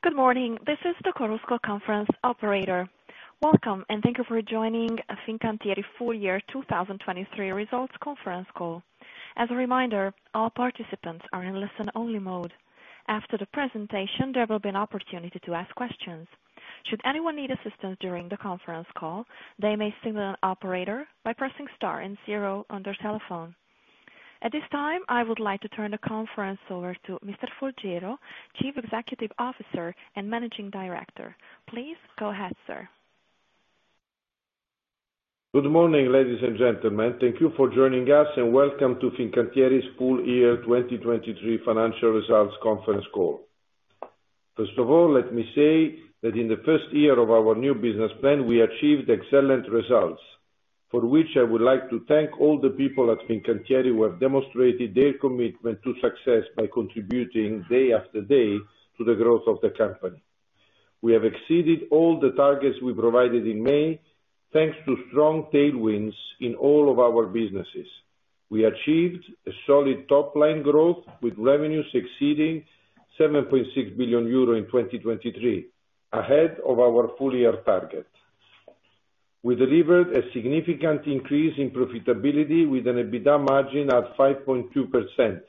Good morning. This is the Chorus Call Conference Operator. Welcome, and thank you for joining the Fincantieri full year 2023 results conference call. As a reminder, all participants are in listen-only mode. After the presentation, there will be an opportunity to ask questions. Should anyone need assistance during the conference call, they may signal an operator by pressing star and zero on their telephone. At this time, I would like to turn the conference over to Mr. Folgiero, Chief Executive Officer and Managing Director. Please go ahead, sir. Good morning, ladies and gentlemen. Thank you for joining us, and welcome to Fincantieri's full year 2023 financial results conference call. First of all, let me say that in the first year of our new business plan, we achieved excellent results, for which I would like to thank all the people at Fincantieri who have demonstrated their commitment to success by contributing day after day to the growth of the company. We have exceeded all the targets we provided in May, thanks to strong tailwinds in all of our businesses. We achieved a solid top-line growth with revenues exceeding 7.6 billion euro in 2023, ahead of our full-year target. We delivered a significant increase in profitability with an EBITDA margin at 5.2%,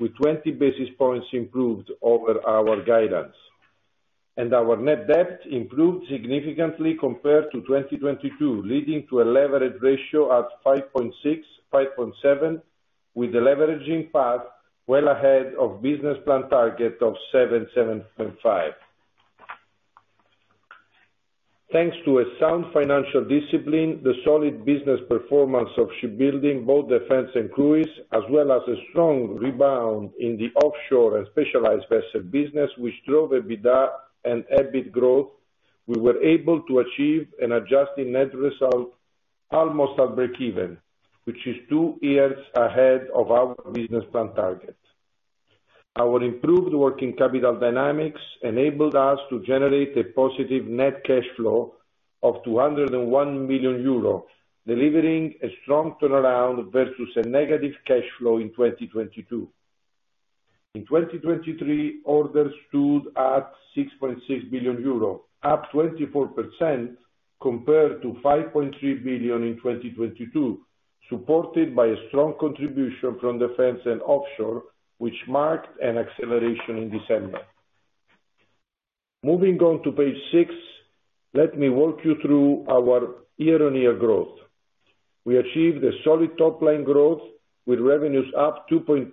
with 20 basis points improved over our guidance. Our net debt improved significantly compared to 2022, leading to a leverage ratio at 5.6-5.7, with the leveraging path well ahead of business plan target of 7.75. Thanks to a sound financial discipline, the solid business performance of shipbuilding, naval defense, and cruise, as well as a strong rebound in the offshore and specialized vessel business, which drove EBITDA and EBIT growth, we were able to achieve an adjusted net result almost at break-even, which is two years ahead of our business plan target. Our improved working capital dynamics enabled us to generate a positive net cash flow of 201 million euro, delivering a strong turnaround versus a negative cash flow in 2022. In 2023, orders stood at 6.6 billion euro, up 24% compared to 5.3 billion in 2022, supported by a strong contribution from defense and offshore, which marked an acceleration in December. Moving on to page six, let me walk you through our year-on-year growth. We achieved a solid top-line growth with revenues up 2.8%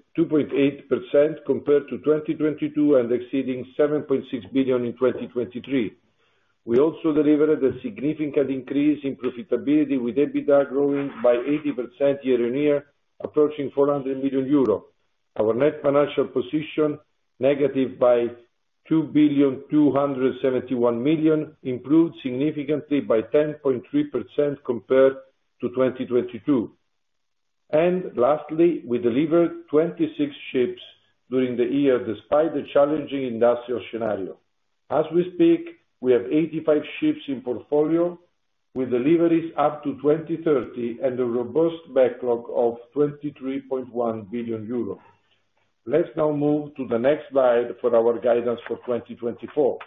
compared to 2022 and exceeding 7.6 billion in 2023. We also delivered a significant increase in profitability, with EBITDA growing by 80% year-on-year, approaching 400 million euro. Our net financial position, negative by 2.271 million, improved significantly by 10.3% compared to 2022. Lastly, we delivered 26 ships during the year despite a challenging industrial scenario. As we speak, we have 85 ships in portfolio, with deliveries up to 2030 and a robust backlog of 23.1 billion euros. Let's now move to the next slide for our guidance for 2024.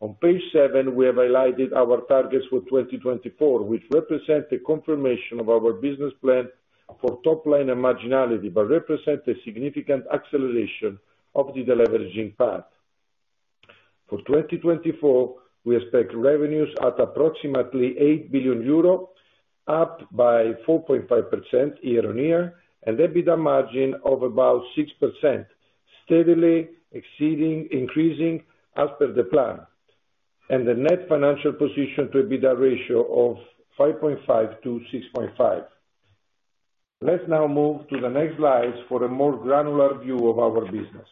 On page seven, we have highlighted our targets for 2024, which represent a confirmation of our business plan for top-line and marginality, but represent a significant acceleration of the deleveraging path. For 2024, we expect revenues at approximately 8 billion euro, up by 4.5% year-on-year, and EBITDA margin of about 6%, steadily increasing as per the plan, and a net financial position to EBITDA ratio of 5.5-6.5. Let's now move to the next slides for a more granular view of our business.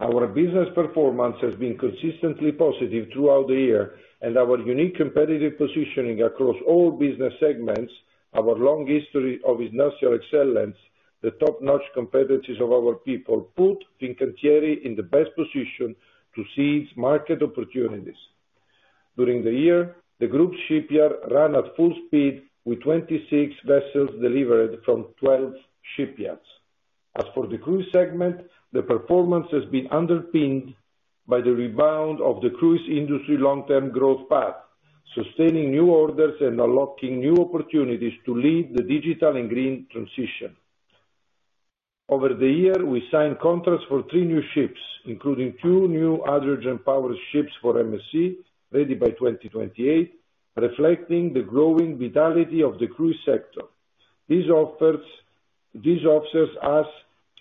Our business performance has been consistently positive throughout the year, and our unique competitive positioning across all business segments, our long history of industrial excellence, the top-notch competitiveness of our people, put Fincantieri in the best position to seize market opportunities. During the year, the group's shipyard ran at full speed, with 26 vessels delivered from 12 shipyards. As for the cruise segment, the performance has been underpinned by the rebound of the cruise industry long-term growth path, sustaining new orders and unlocking new opportunities to lead the digital and green transition. Over the year, we signed contracts for three new ships, including two new hydrogen-powered ships for MSC, ready by 2028, reflecting the growing vitality of the cruise sector. These offers offer us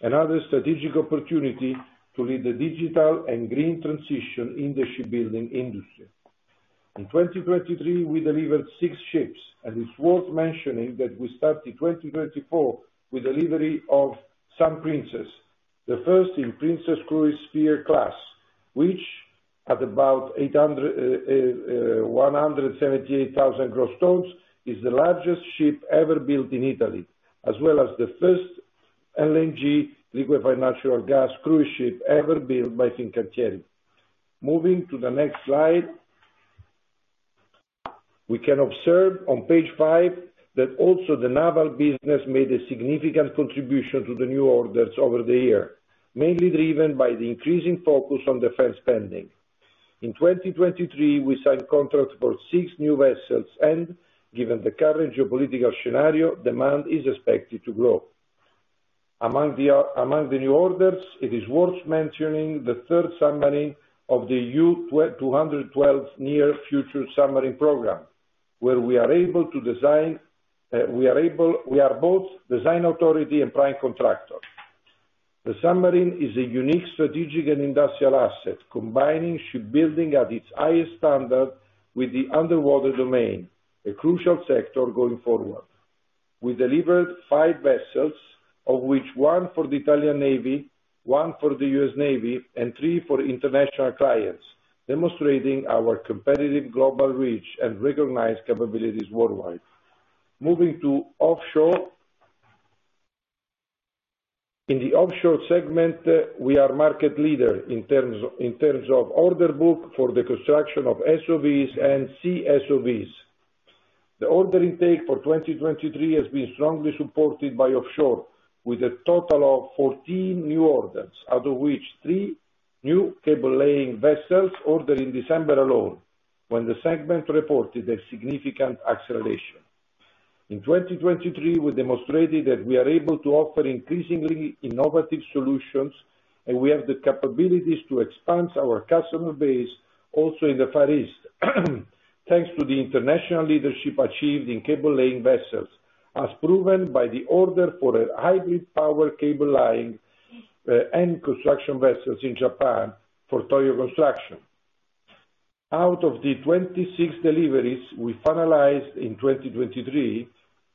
another strategic opportunity to lead the digital and green transition in the shipbuilding industry. In 2023, we delivered six ships, and it's worth mentioning that we started 2024 with delivery of Sun Princess, the first in the Princess Cruises Sphere class, which, at about 178,000 gross tons, is the largest ship ever built in Italy, as well as the first LNG liquefied natural gas cruise ship ever built by Fincantieri. Moving to the next slide, we can observe on page five that also the naval business made a significant contribution to the new orders over the year, mainly driven by the increasing focus on defense spending. In 2023, we signed contracts for six new vessels, and given the current geopolitical scenario, demand is expected to grow. Among the new orders, it is worth mentioning the third submarine of the U212 Near Future Submarine Program, where we are both design authority and prime contractor. The submarine is a unique strategic and industrial asset, combining shipbuilding at its highest standard with the underwater domain, a crucial sector going forward. We delivered five vessels, of which one for the Italian Navy, one for the U.S. Navy, and three for international clients, demonstrating our competitive global reach and recognized capabilities worldwide. Moving to offshore. In the offshore segment, we are market leader in terms of order book for the construction of SOVs and CSOVs. The order intake for 2023 has been strongly supported by offshore, with a total of 14 new orders, out of which three new cable-laying vessels were ordered in December alone, when the segment reported a significant acceleration. In 2023, we demonstrated that we are able to offer increasingly innovative solutions, and we have the capabilities to expand our customer base also in the Far East, thanks to the international leadership achieved in cable-laying vessels, as proven by the order for a hybrid power cable-laying and construction vessel in Japan for Toyo Construction. Out of the 26 deliveries we finalized in 2023,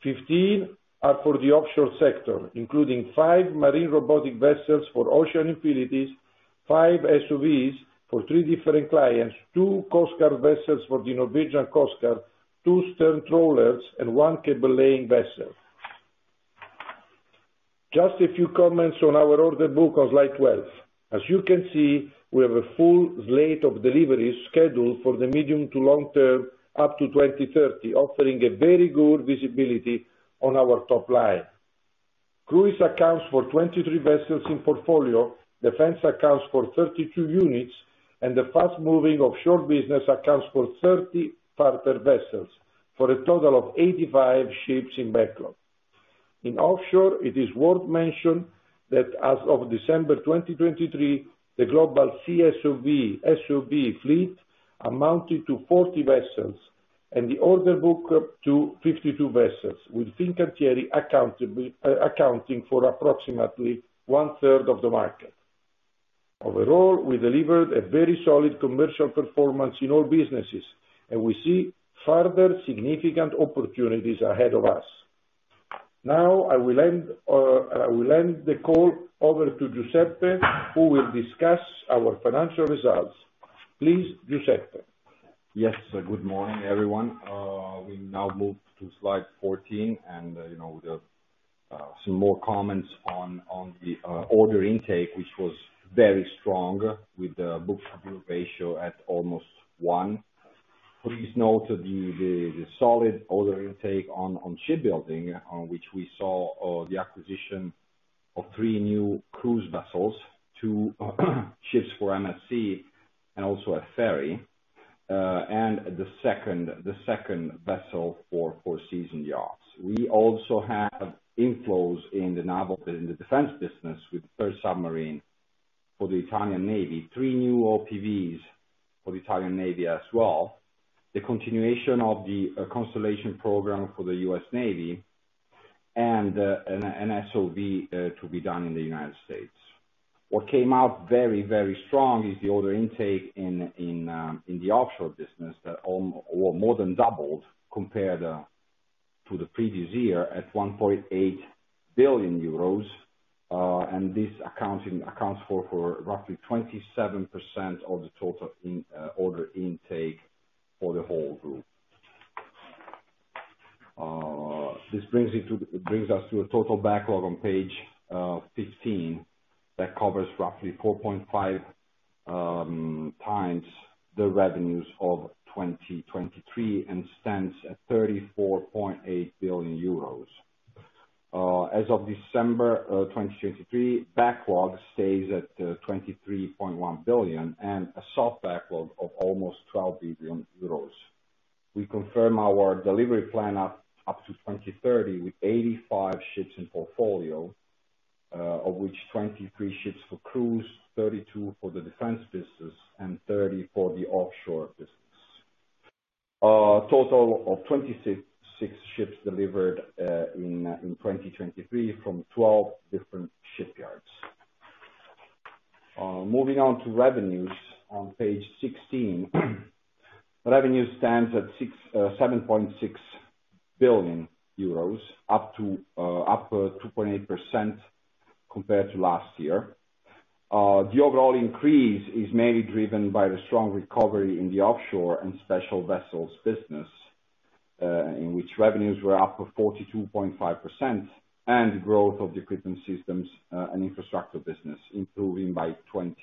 15 are for the offshore sector, including five marine robotic vessels for Ocean Infinity, five SOVs for three different clients, two coastguard vessels for the Norwegian Coast Guard, two stern trawlers, and one cable-laying vessel. Just a few comments on our order book on slide 12. As you can see, we have a full slate of deliveries scheduled for the medium to long term, up to 2030, offering a very good visibility on our top line. Cruise accounts for 23 vessels in portfolio, defense accounts for 32 units, and the fast-moving offshore business accounts for 30 charter vessels, for a total of 85 ships in backlog. In offshore, it is worth mentioning that as of December 2023, the global SOV fleet amounted to 40 vessels, and the order book to 52 vessels, with Fincantieri accounting for approximately one-third of the market. Overall, we delivered a very solid commercial performance in all businesses, and we see further significant opportunities ahead of us. Now, I will end the call over to Giuseppe, who will discuss our financial results. Please, Giuseppe. Yes. Good morning, everyone. We now move to slide 14, and with some more comments on the order intake, which was very strong, with the book-to-bill ratio at almost one. Please note the solid order intake on shipbuilding, which we saw the acquisition of three new cruise vessels, two ships for MSC and also a ferry, and the second vessel for Four Seasons Yachts. We also have inflows in the defense business with the third submarine for the Italian Navy, three new OPVs for the Italian Navy as well, the continuation of the Constellation Program for the U.S. Navy, and an SOV to be done in the United States. What came out very, very strong is the order intake in the offshore business that more than doubled compared to the previous year at 1.8 billion euros, and this accounts for roughly 27% of the total order intake for the whole group. This brings us to a total backlog on page 15 that covers roughly 4.5x the revenues of 2023 and stands at 34.8 billion euros. As of December 2023, backlog stays at 23.1 billion and a soft backlog of almost 12 billion euros. We confirm our delivery plan up to 2030 with 85 ships in portfolio, of which 23 ships for cruise, 32 for the defense business, and 30 for the offshore business. Total of 26 ships delivered in 2023 from 12 different shipyards. Moving on to revenues on page 16, revenues stand at EUR 7.6 billion, up 2.8% compared to last year. The overall increase is mainly driven by the strong recovery in the offshore and special vessels business, in which revenues were up 42.5%, and the growth of the equipment systems and infrastructure business, improving by 20%.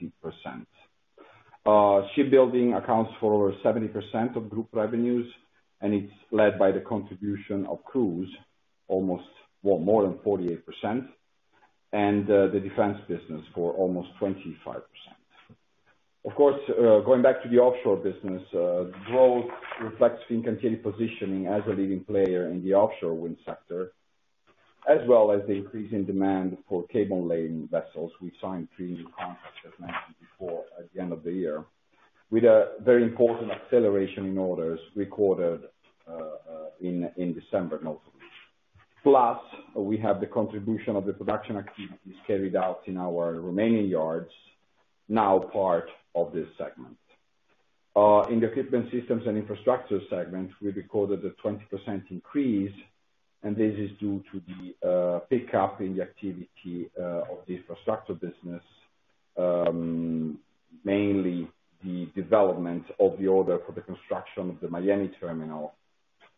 Shipbuilding accounts for over 70% of group revenues, and it's led by the contribution of cruise, almost more than 48%, and the defense business for almost 25%. Of course, going back to the offshore business, growth reflects Fincantieri's positioning as a leading player in the offshore wind sector, as well as the increase in demand for cable-laying vessels. We signed three new contracts, as mentioned before, at the end of the year, with a very important acceleration in orders recorded in December, notably. Plus, we have the contribution of the production activities carried out in our remaining yards, now part of this segment. In the equipment systems and infrastructure segment, we recorded a 20% increase, and this is due to the pickup in the activity of the infrastructure business, mainly the development of the order for the construction of the Miami terminal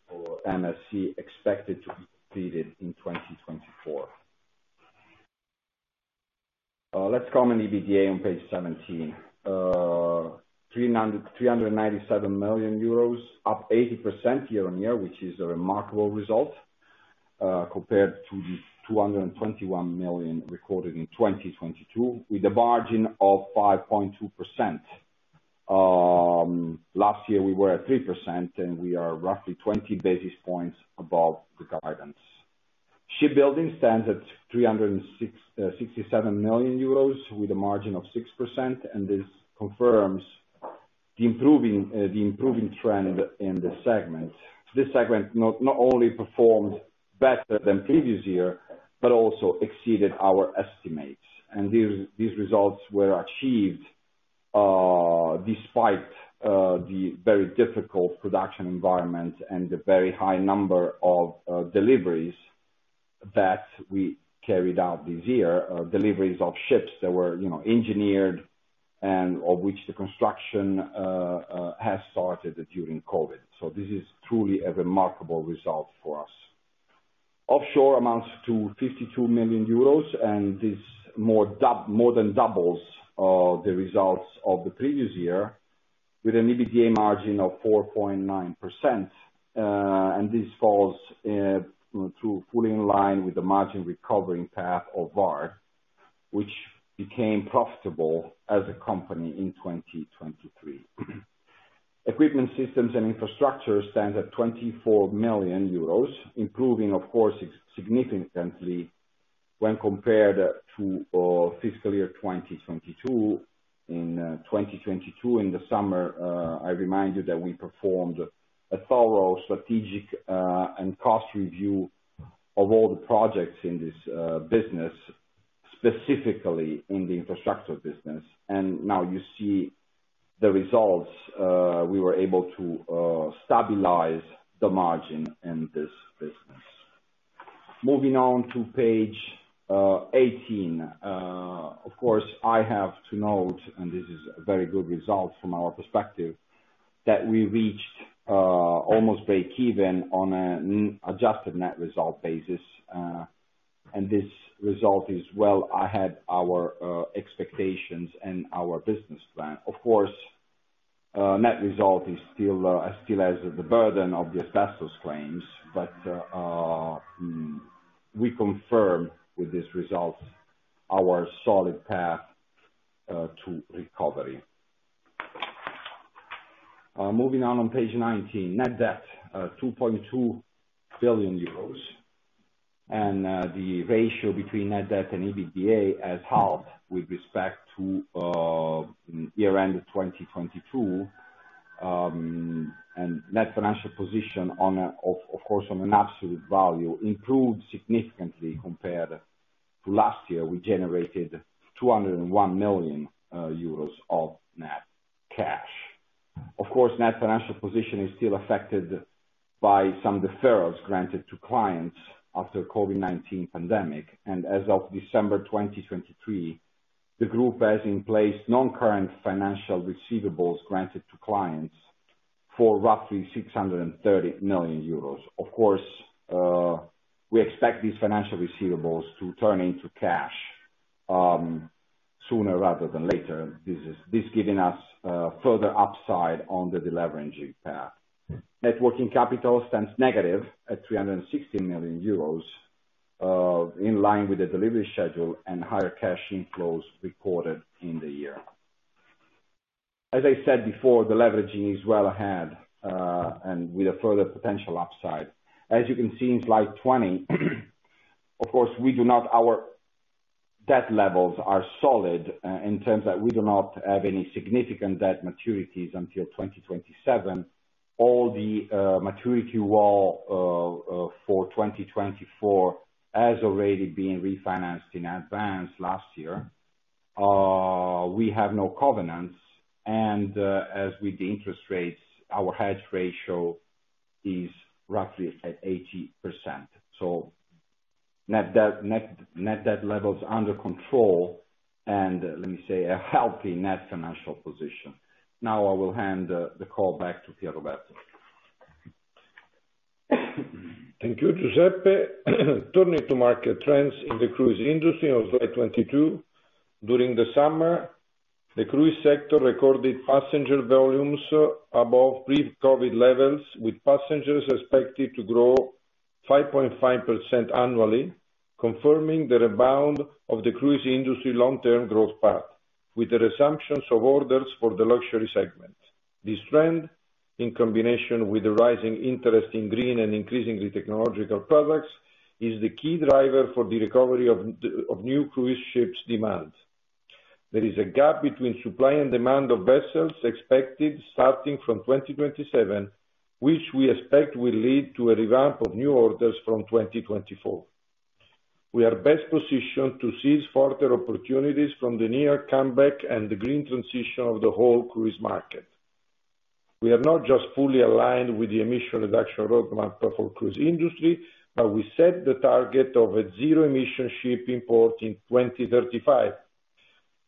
for MSC, expected to be completed in 2024. Let's comment EBITDA on page 17. 397 million euros, up 80% year-on-year, which is a remarkable result compared to the 221 million recorded in 2022, with a margin of 5.2%. Last year, we were at 3%, and we are roughly 20 basis points above the guidance. Shipbuilding stands at 367 million euros, with a margin of 6%, and this confirms the improving trend in the segment. This segment not only performed better than previous year but also exceeded our estimates, and these results were achieved despite the very difficult production environment and the very high number of deliveries that we carried out this year, deliveries of ships that were engineered and of which the construction has started during COVID. So this is truly a remarkable result for us. Offshore amounts to 52 million euros, and this more than doubles the results of the previous year, with an EBITDA margin of 4.9%, and this falls fully in line with the margin recovery path of Vard, which became profitable as a company in 2023. Equipment systems and infrastructure stands at 24 million euros, improving, of course, significantly when compared to fiscal year 2022. In 2022, in the summer, I remind you that we performed a thorough strategic and cost review of all the projects in this business, specifically in the infrastructure business, and now you see the results. We were able to stabilize the margin in this business. Moving on to page 18. Of course, I have to note, and this is a very good result from our perspective, that we reached almost break-even on an adjusted net result basis, and this result is well ahead of our expectations and our business plan. Of course, net result still has the burden of the asbestos claims, but we confirm with these results our solid path to recovery. Moving on, on page 19, net debt of 2.2 billion euros, and the ratio between net debt and EBITDA has halved with respect to year-end 2022, and net financial position, of course, on an absolute value, improved significantly compared to last year. We generated 201 million euros of net cash. Of course, net financial position is still affected by some deferrals granted to clients after the COVID-19 pandemic, and as of December 2023, the group has in place non-current financial receivables granted to clients for roughly 630 million euros. Of course, we expect these financial receivables to turn into cash sooner rather than later, this giving us further upside on the deleveraging path. Working capital stands negative at 316 million euros, in line with the delivery schedule and higher cash inflows recorded in the year. As I said before, the leveraging is well ahead and with a further potential upside. As you can see in slide 20, of course, we note that our debt levels are solid in the sense that we do not have any significant debt maturities until 2027. All the maturity wall for 2024 has already been refinanced in advance last year. We have no covenants, and as with the interest rates, our hedge ratio is roughly at 80%. So net debt levels under control and, let me say, a healthy net financial position. Now I will hand the call back to Pierroberto. Thank you, Giuseppe. Turning to market trends in the cruise industry on slide 22. During the summer, the cruise sector recorded passenger volumes above pre-COVID levels, with passengers expected to grow 5.5% annually, confirming the rebound of the cruise industry long-term growth path, with the resumptions of orders for the luxury segment. This trend, in combination with the rising interest in green and increasingly technological products, is the key driver for the recovery of new cruise ships' demand. There is a gap between supply and demand of vessels expected starting from 2027, which we expect will lead to a revamp of new orders from 2024. We are best positioned to seize further opportunities from the near comeback and the green transition of the whole cruise market. We are not just fully aligned with the emission reduction roadmap for cruise industry, but we set the target of a zero-emission ship import in 2035.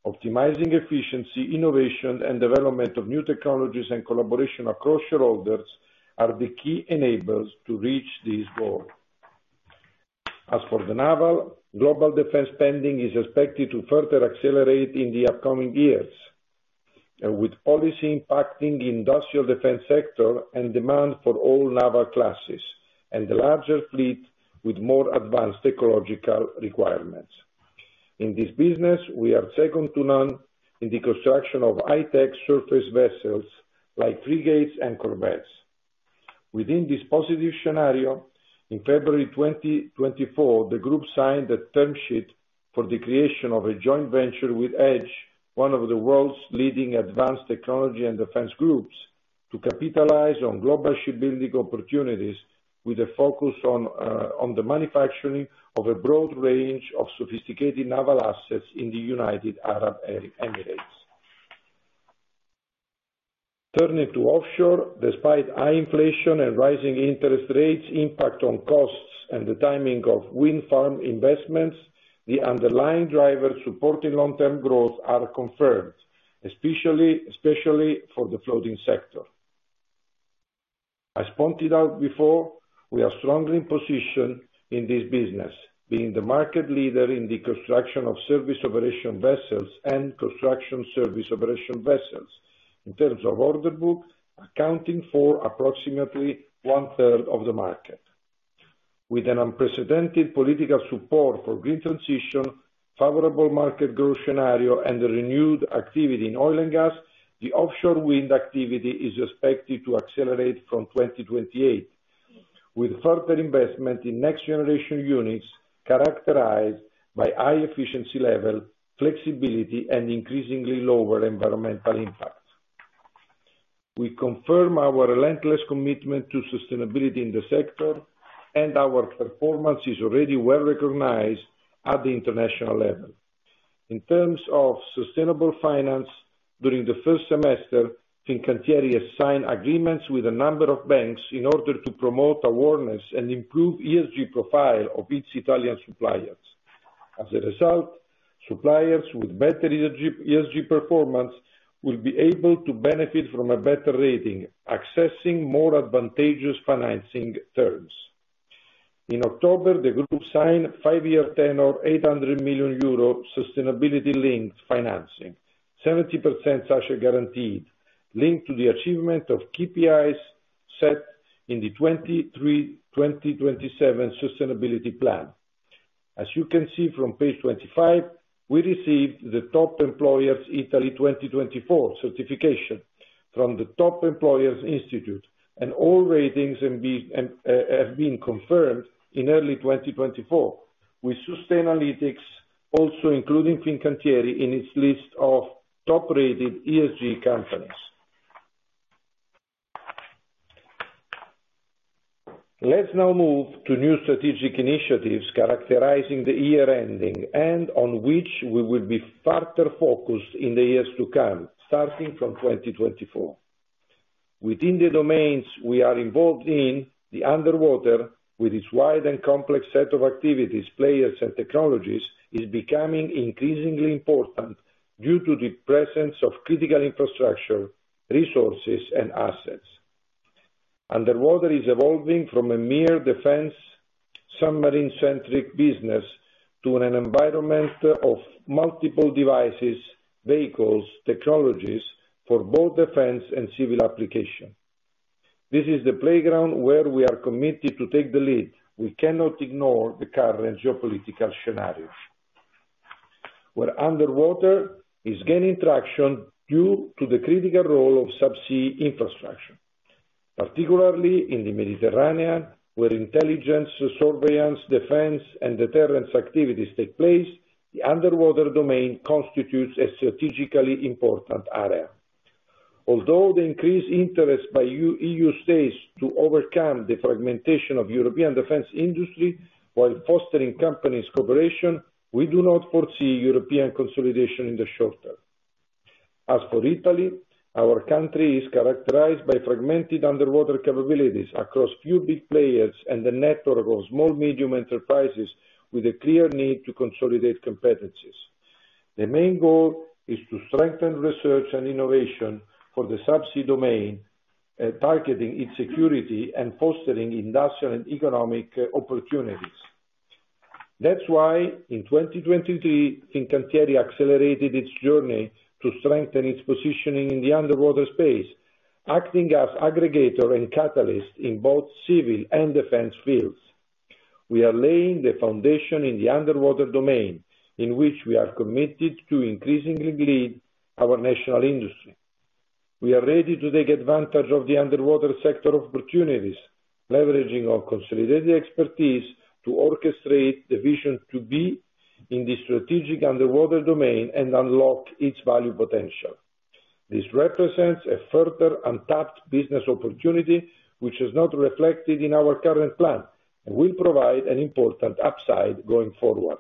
Optimizing efficiency, innovation, and development of new technologies and collaboration across shareholders are the key enablers to reach this goal. As for the naval, global defense spending is expected to further accelerate in the upcoming years, with policy impacting the industrial defense sector and demand for all naval classes and the larger fleet with more advanced technological requirements. In this business, we are second to none in the construction of high-tech surface vessels like frigates and corvettes. Within this positive scenario, in February 2024, the group signed a term sheet for the creation of a joint venture with EDGE, one of the world's leading advanced technology and defense groups, to capitalize on global shipbuilding opportunities with a focus on the manufacturing of a broad range of sophisticated naval assets in the United Arab Emirates. Turning to offshore, despite high inflation and rising interest rates' impact on costs and the timing of wind farm investments, the underlying drivers supporting long-term growth are confirmed, especially for the floating sector. As pointed out before, we are strongly positioned in this business, being the market leader in the construction of service operation vessels and commissioning service operation vessels, in terms of order book, accounting for approximately one-third of the market. With an unprecedented political support for green transition, favorable market growth scenario, and renewed activity in oil and gas, the offshore wind activity is expected to accelerate from 2028, with further investment in next-generation units characterized by high efficiency level, flexibility, and increasingly lower environmental impact. We confirm our relentless commitment to sustainability in the sector, and our performance is already well recognized at the international level. In terms of sustainable finance, during the first semester, Fincantieri has signed agreements with a number of banks in order to promote awareness and improve ESG profile of its Italian suppliers. As a result, suppliers with better ESG performance will be able to benefit from a better rating, accessing more advantageous financing terms. In October, the group signed a five-year tenor, 800 million euro sustainability-linked financing, 70% asset guaranteed, linked to the achievement of KPIs set in the 2023-2027 sustainability plan. As you can see from page 25, we received the Top Employers Italy 2024 certification from the Top Employers Institute, and all ratings have been confirmed in early 2024, with Sustainalytics also including Fincantieri in its list of top-rated ESG companies. Let's now move to new strategic initiatives characterizing the year-ending and on which we will be further focused in the years to come, starting from 2024. Within the domains we are involved in, the underwater, with its wide and complex set of activities, players, and technologies, is becoming increasingly important due to the presence of critical infrastructure, resources, and assets. Underwater is evolving from a mere defense submarine-centric business to an environment of multiple devices, vehicles, technologies for both defense and civil application. This is the playground where we are committed to take the lead. We cannot ignore the current geopolitical scenario, where underwater is gaining traction due to the critical role of subsea infrastructure. Particularly in the Mediterranean, where intelligence, surveillance, defense, and deterrence activities take place, the underwater domain constitutes a strategically important area. Although the increased interest by EU states to overcome the fragmentation of the European defense industry while fostering companies' cooperation, we do not foresee European consolidation in the short term. As for Italy, our country is characterized by fragmented underwater capabilities across few big players and a network of small-medium enterprises with a clear need to consolidate competencies. The main goal is to strengthen research and innovation for the subsea domain, targeting its security and fostering industrial and economic opportunities. That's why, in 2023, Fincantieri accelerated its journey to strengthen its positioning in the underwater space, acting as an aggregator and catalyst in both civil and defense fields. We are laying the foundation in the underwater domain, in which we are committed to increasingly lead our national industry. We are ready to take advantage of the underwater sector opportunities, leveraging our consolidated expertise to orchestrate the vision to be in the strategic underwater domain and unlock its value potential. This represents a further untapped business opportunity which is not reflected in our current plan and will provide an important upside going forward.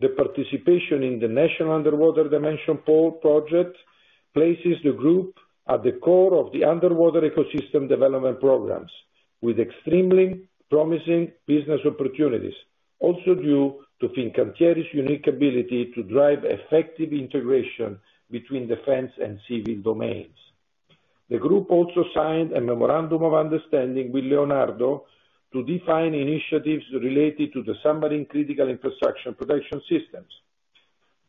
The participation in the National Underwater Dimension Pole project places the group at the core of the underwater ecosystem development programs, with extremely promising business opportunities, also due to Fincantieri's unique ability to drive effective integration between defense and civil domains. The group also signed a memorandum of understanding with Leonardo to define initiatives related to the submarine critical infrastructure protection systems.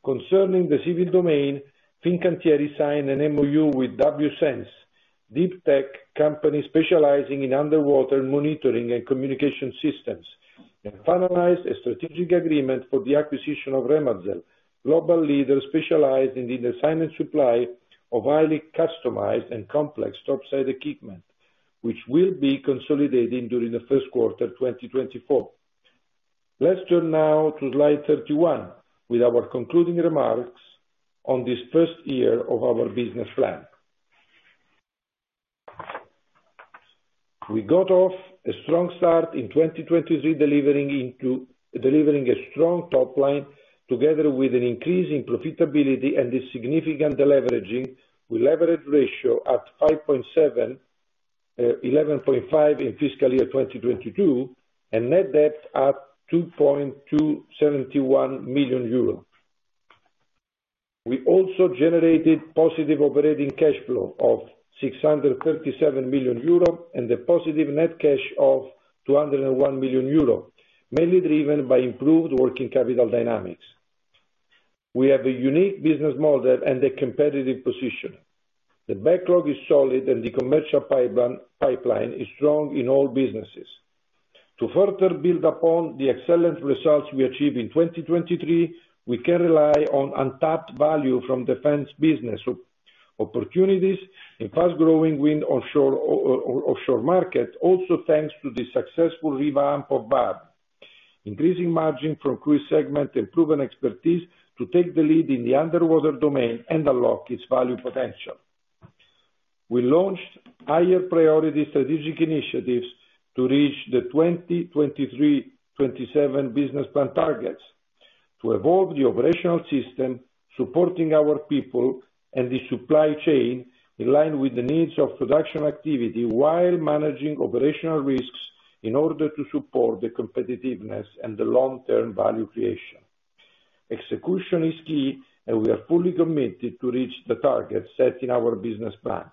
Concerning the civil domain, Fincantieri signed an MOU with WSENSE, a deep-tech company specializing in underwater monitoring and communication systems, and finalized a strategic agreement for the acquisition of Remazel, a global leader specialized in the design and supply of highly customized and complex topside equipment, which will be consolidated during the first quarter of 2024. Let's turn now to slide 31 with our concluding remarks on this first year of our business plan. We got off a strong start in 2023, delivering a strong top line together with an increase in profitability and a significant leveraging with a leverage ratio at 5.7-1.5 in fiscal year 2022 and net debt at 2.271 million euros. We also generated positive operating cash flow of 637 million euro and a positive net cash of 201 million euro, mainly driven by improved working capital dynamics. We have a unique business model and a competitive position. The backlog is solid, and the commercial pipeline is strong in all businesses. To further build upon the excellent results we achieved in 2023, we can rely on untapped value from defense business opportunities in the fast-growing offshore wind market, also thanks to the successful revamp of Vard, increasing margin from cruise segment and proven expertise to take the lead in the underwater domain and unlock its value potential. We launched higher-priority strategic initiatives to reach the 2023-2027 business plan targets, to evolve the operational system supporting our people and the supply chain in line with the needs of production activity while managing operational risks in order to support the competitiveness and the long-term value creation. Execution is key, and we are fully committed to reach the targets set in our business plan.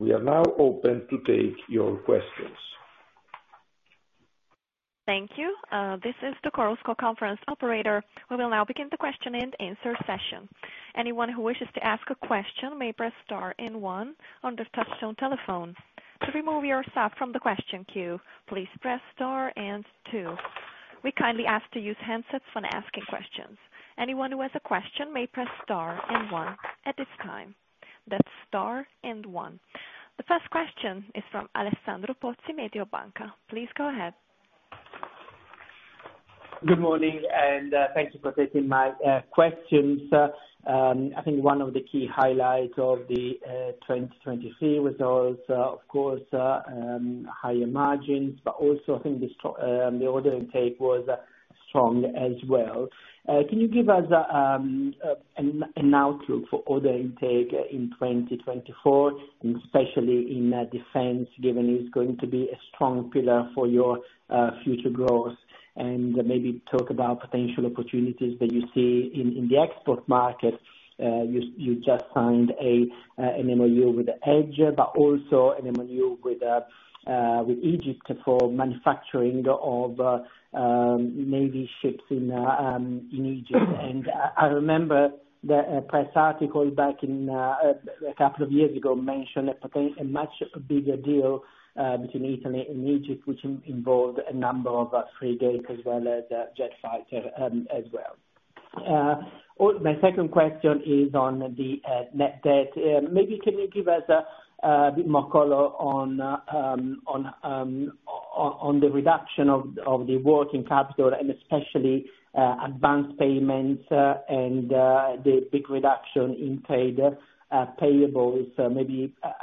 We are now open to take your questions. Thank you. This is the Chorus Call Conference. Operator. We will now begin the question-and-answer session. Anyone who wishes to ask a question may press star and one on their touch-tone telephone. To remove yourself from the question queue, please press star and two. We kindly ask to use handsets when asking questions. Anyone who has a question may press star and one at this time. That's star and one. The first question is from Alessandro Pozzi, Mediobanca. Please go ahead. Good morning, and thank you for taking my questions. I think one of the key highlights of 2023 was also, of course, higher margins, but also I think the order intake was strong as well. Can you give us an outlook for order intake in 2024, especially in defense, given it's going to be a strong pillar for your future growth, and maybe talk about potential opportunities that you see in the export market? You just signed an MOU with EDGE, but also an MOU with Egypt for manufacturing of navy ships in Egypt. And I remember the press article back a couple of years ago mentioned a much bigger deal between Italy and Egypt, which involved a number of frigates as well as jet fighters as well. My second question is on the net debt. Maybe can you give us a bit more color on the reduction of the working capital and especially advanced payments and the big reduction in trade payables?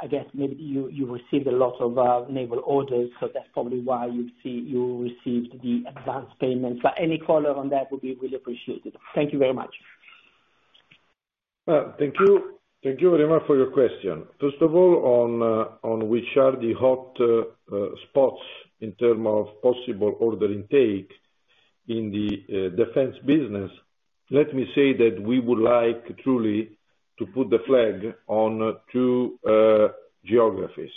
I guess maybe you received a lot of naval orders, so that's probably why you received the advanced payments. But any color on that would be really appreciated. Thank you very much. Thank you very much for your question. First of all, on which are the hot spots in terms of possible order intake in the defense business? Let me say that we would like truly to put the flag on two geographies.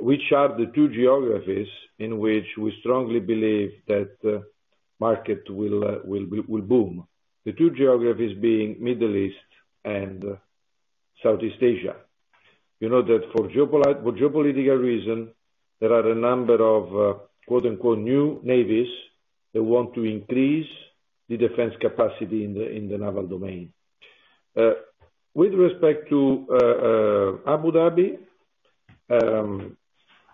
Which are the two geographies in which we strongly believe that the market will boom? The two geographies being the Middle East and Southeast Asia. You know that for geopolitical reasons, there are a number of "new navies" that want to increase the defense capacity in the naval domain. With respect to Abu Dhabi and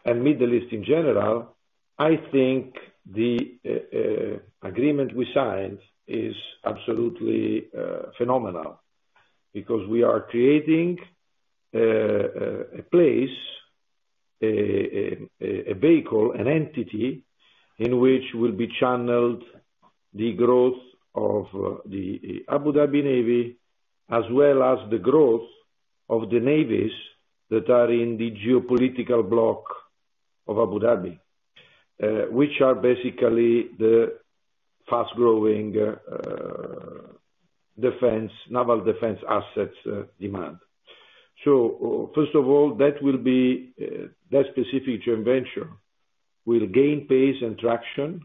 the Middle East in general, I think the agreement we signed is absolutely phenomenal because we are creating a place, a vehicle, an entity in which will be channeled the growth of the Abu Dhabi Navy as well as the growth of the navies that are in the geopolitical block of Abu Dhabi, which are basically the fast-growing naval defense assets demand. So first of all, that specific joint venture will gain pace and traction,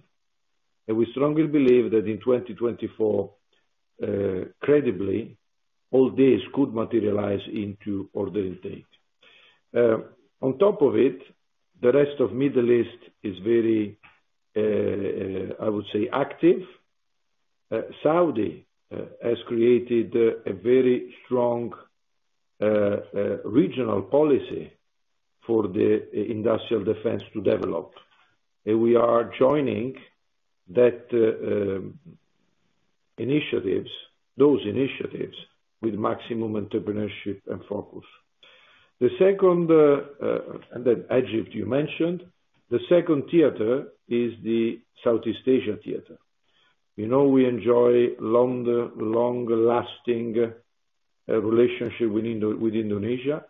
and we strongly believe that in 2024, credibly, all this could materialize into order intake. On top of it, the rest of the Middle East is very, I would say, active. Saudi has created a very strong regional policy for the industrial defense to develop, and we are joining those initiatives with maximum entrepreneurship and focus. And then Egypt, you mentioned. The second theater is the Southeast Asia theater. We enjoy a long-lasting relationship with Indonesia.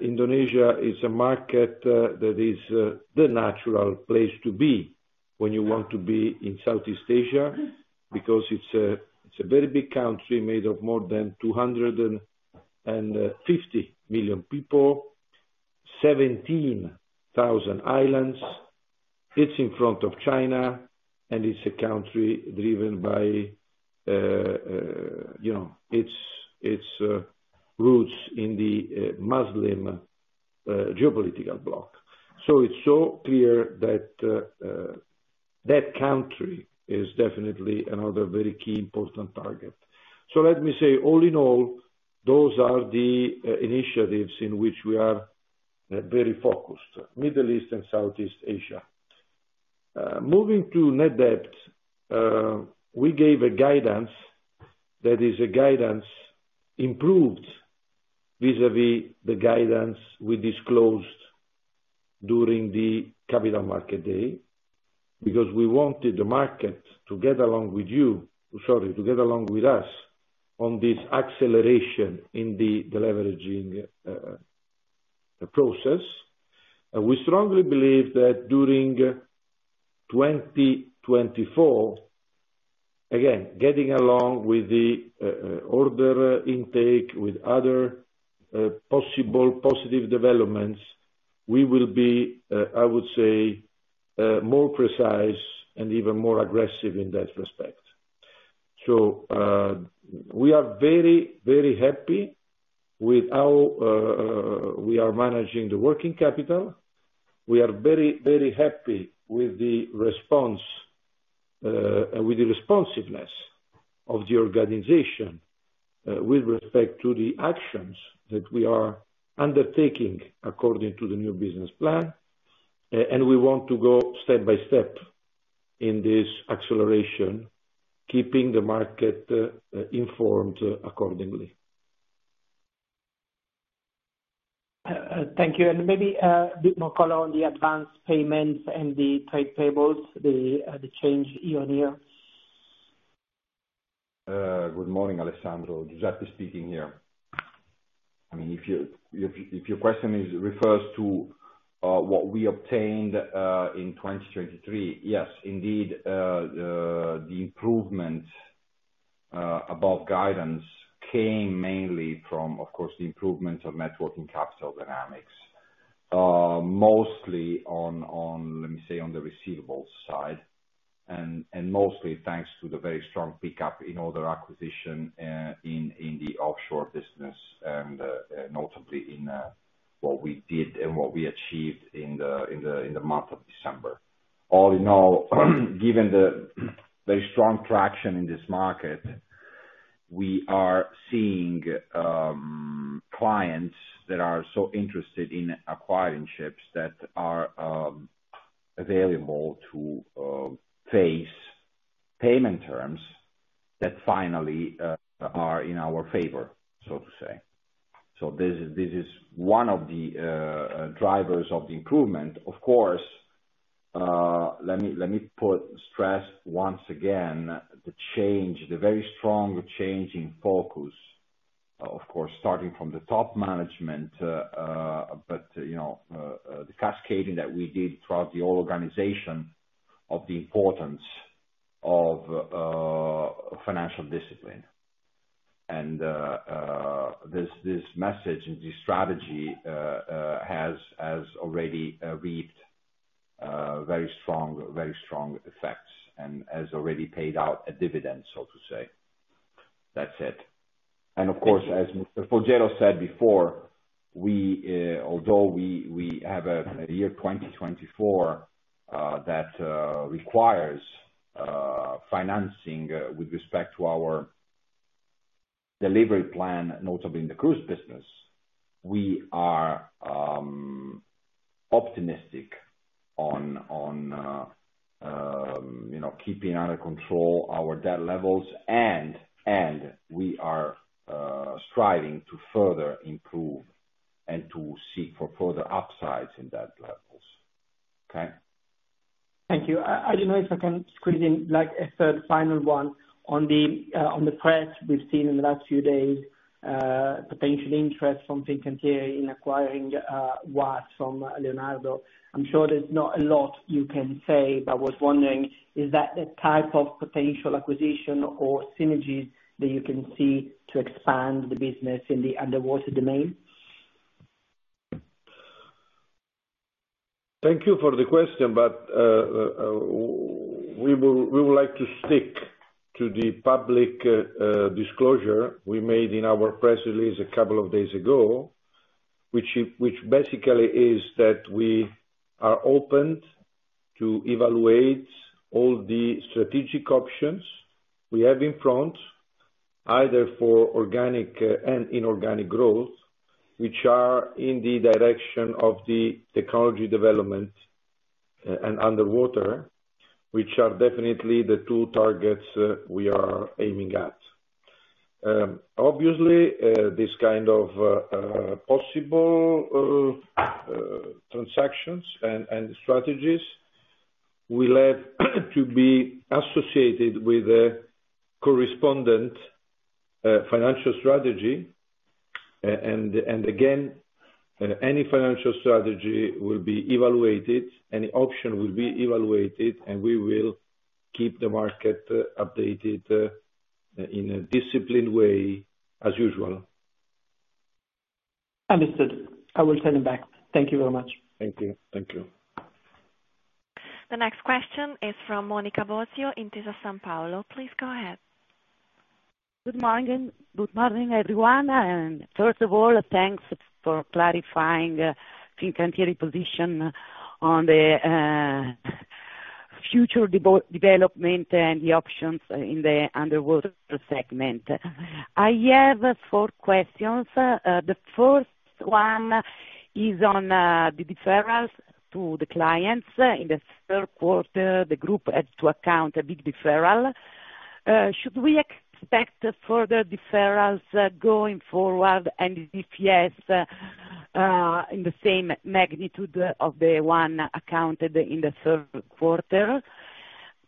Indonesia is a market that is the natural place to be when you want to be in Southeast Asia because it's a very big country made of more than 250 million people, 17,000 islands. It's in front of China, and it's a country driven by its roots in the Muslim geopolitical block. So it's so clear that that country is definitely another very key, important target. So let me say, all in all, those are the initiatives in which we are very focused: the Middle East and Southeast Asia. Moving to net debt, we gave a guidance that is improved vis-à-vis the guidance we disclosed during the Capital Market Day because we wanted the market to get along with you, sorry, to get along with us, on this acceleration in the leveraging process. We strongly believe that during 2024, again, getting along with the order intake, with other possible positive developments, we will be, I would say, more precise and even more aggressive in that respect. So we are very, very happy with how we are managing the working capital. We are very, very happy with the response and with the responsiveness of the organization with respect to the actions that we are undertaking according to the new business plan. We want to go step by step in this acceleration, keeping the market informed accordingly. Thank you. Maybe a bit more color on the advanced payments and the trade payables, the change year-on-year? Good morning, Alessandro. Giuseppe speaking here. I mean, if your question refers to what we obtained in 2023, yes, indeed, the improvements above guidance came mainly from, of course, the improvements of net working capital dynamics, mostly on, let me say, on the receivables side, and mostly thanks to the very strong pickup in order acquisition in the offshore business and notably in what we did and what we achieved in the month of December. All in all, given the very strong traction in this market, we are seeing clients that are so interested in acquiring ships that are available to face payment terms that finally are in our favor, so to say. So this is one of the drivers of the improvement. Of course, let me put stress once again on the very strong change in focus, of course, starting from the top management, but the cascading that we did throughout the whole organization of the importance of financial discipline. And this message and this strategy has already reaped very strong, very strong effects and has already paid out a dividend, so to say. That's it. And of course, as Mr. Folgiero said before, although we have a year 2024 that requires financing with respect to our delivery plan, notably in the cruise business, we are optimistic on keeping under control our debt levels, and we are striving to further improve and to seek for further upsides in debt levels. Okay? Thank you. I don't know if I can squeeze in a third final one on the threats we've seen in the last few days, potential interest from Fincantieri in acquiring WASS from Leonardo. I'm sure there's not a lot you can say, but I was wondering, is that the type of potential acquisition or synergies that you can see to expand the business in the underwater domain? Thank you for the question, but we would like to stick to the public disclosure we made in our press release a couple of days ago, which basically is that we are open to evaluate all the strategic options we have in front, either for organic and inorganic growth, which are in the direction of the technology development and underwater, which are definitely the two targets we are aiming at. Obviously, these kinds of possible transactions and strategies will have to be associated with a correspondent financial strategy. And again, any financial strategy will be evaluated, any option will be evaluated, and we will keep the market updated in a disciplined way as usual. Understood. I will send them back. Thank you very much. Thank you. Thank you. The next question is from Monica Bosio in Intesa Sanpaolo. Please go ahead. Good morning. Good morning, everyone. First of all, thanks for clarifying Fincantieri's position on the future development and the options in the underwater segment. I have four questions. The first one is on the deferrals to the clients. In the third quarter, the group had to account for a big deferral. Should we expect further deferrals going forward, and if yes, in the same magnitude of the one accounted in the third quarter?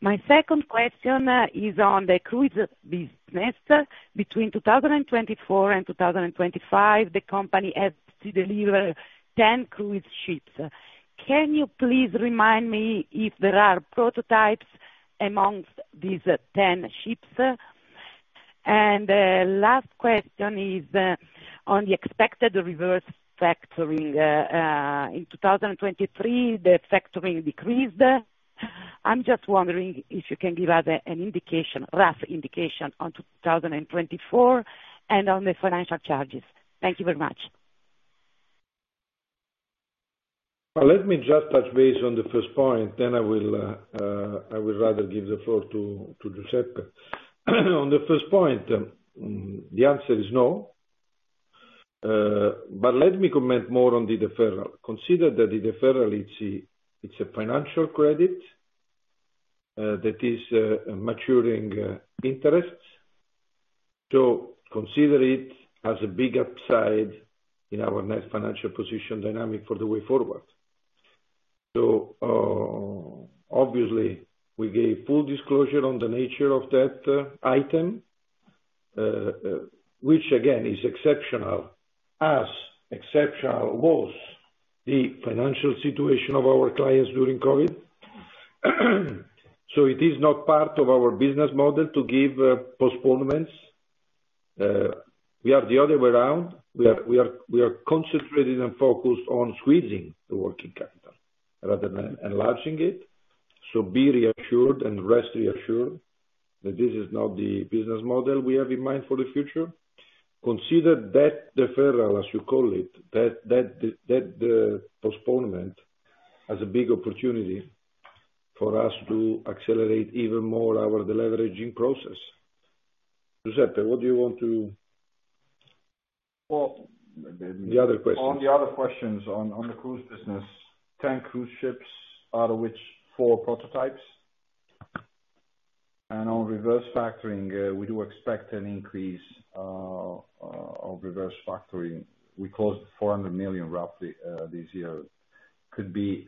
My second question is on the cruise business. Between 2024 and 2025, the company has to deliver 10 cruise ships. Can you please remind me if there are prototypes amongst these 10 ships? The last question is on the expected reverse factoring. In 2023, the factoring decreased. I'm just wondering if you can give us a rough indication on 2024 and on the financial charges. Thank you very much. Well, let me just touch base on the first point. Then I will rather give the floor to Giuseppe. On the first point, the answer is no. But let me comment more on the deferral. Consider that the deferral, it's a financial credit that is maturing interest. So consider it as a big upside in our net financial position dynamic for the way forward. So obviously, we gave full disclosure on the nature of that item, which, again, is exceptional as exceptional was the financial situation of our clients during COVID. So it is not part of our business model to give postponements. We are the other way around. We are concentrated and focused on squeezing the working capital rather than enlarging it. So be reassured and rest reassured that this is not the business model we have in mind for the future. Consider that deferral, as you call it, that postponement as a big opportunity for us to accelerate even more our leveraging process. Giuseppe, what do you want to? Well. The other questions. On the other questions on the cruise business, 10 cruise ships, out of which four prototypes. On reverse factoring, we do expect an increase of reverse factoring. We closed 400 million roughly this year. It could be